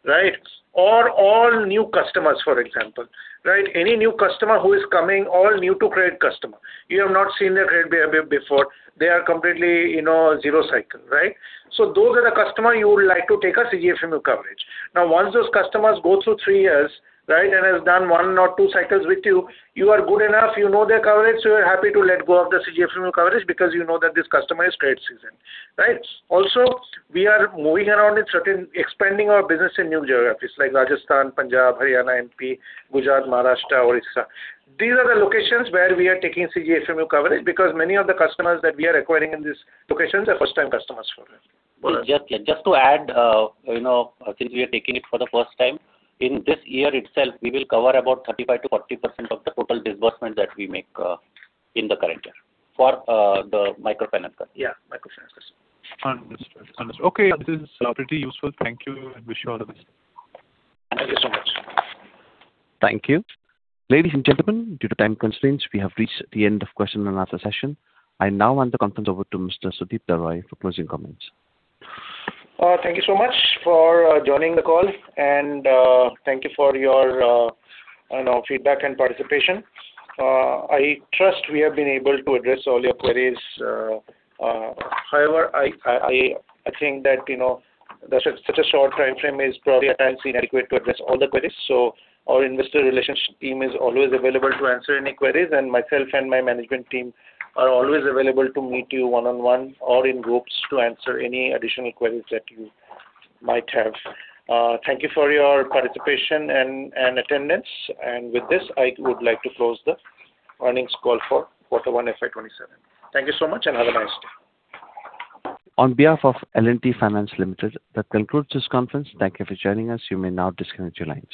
[SPEAKER 2] Right? All new customers, for example. Right? Any new customer who is coming, all new-to-credit customer. You have not seen their credit behavior before. They are completely zero cycle, right? Those are the customer you would like to take a CGFMU coverage. Once those customers go through three years, right, and has done one or two cycles with you are good enough, you know their coverage, so you're happy to let go of the CGFMU coverage because you know that this customer is credit seasoned. Right? We are moving around expanding our business in new geographies like Rajasthan, Punjab, Haryana, MP, Gujarat, Maharashtra, Odisha. These are the locations where we are taking CGFMU coverage because many of the customers that we are acquiring in these locations are first-time customers for us.
[SPEAKER 3] Just to add since we are taking it for the first time, in this year itself, we will cover about 35%-40% of the total disbursement that we make in the current year for the microfinance customer.
[SPEAKER 2] Yeah, microfinance customer.
[SPEAKER 12] Understood. Okay, this is pretty useful. Thank you and wish you all the best.
[SPEAKER 2] Thank you so much.
[SPEAKER 1] Thank you. Ladies and gentlemen, due to time constraints, we have reached the end of question and answer session. I now hand the conference over to Mr. Sudipta Roy for closing comments.
[SPEAKER 2] Thank you so much for joining the call and thank you for your feedback and participation. I trust we have been able to address all your queries. However, I think that such a short timeframe is probably at times inadequate to address all the queries. Our investor relationship team is always available to answer any queries. Myself and my management team are always available to meet you one-on-one or in groups to answer any additional queries that you might have. Thank you for your participation and attendance. With this, I would like to close the earnings call for quarter one FY 2027. Thank you so much. Have a nice day.
[SPEAKER 1] On behalf of L&T Finance Limited, that concludes this conference. Thank you for joining us. You may now disconnect your lines.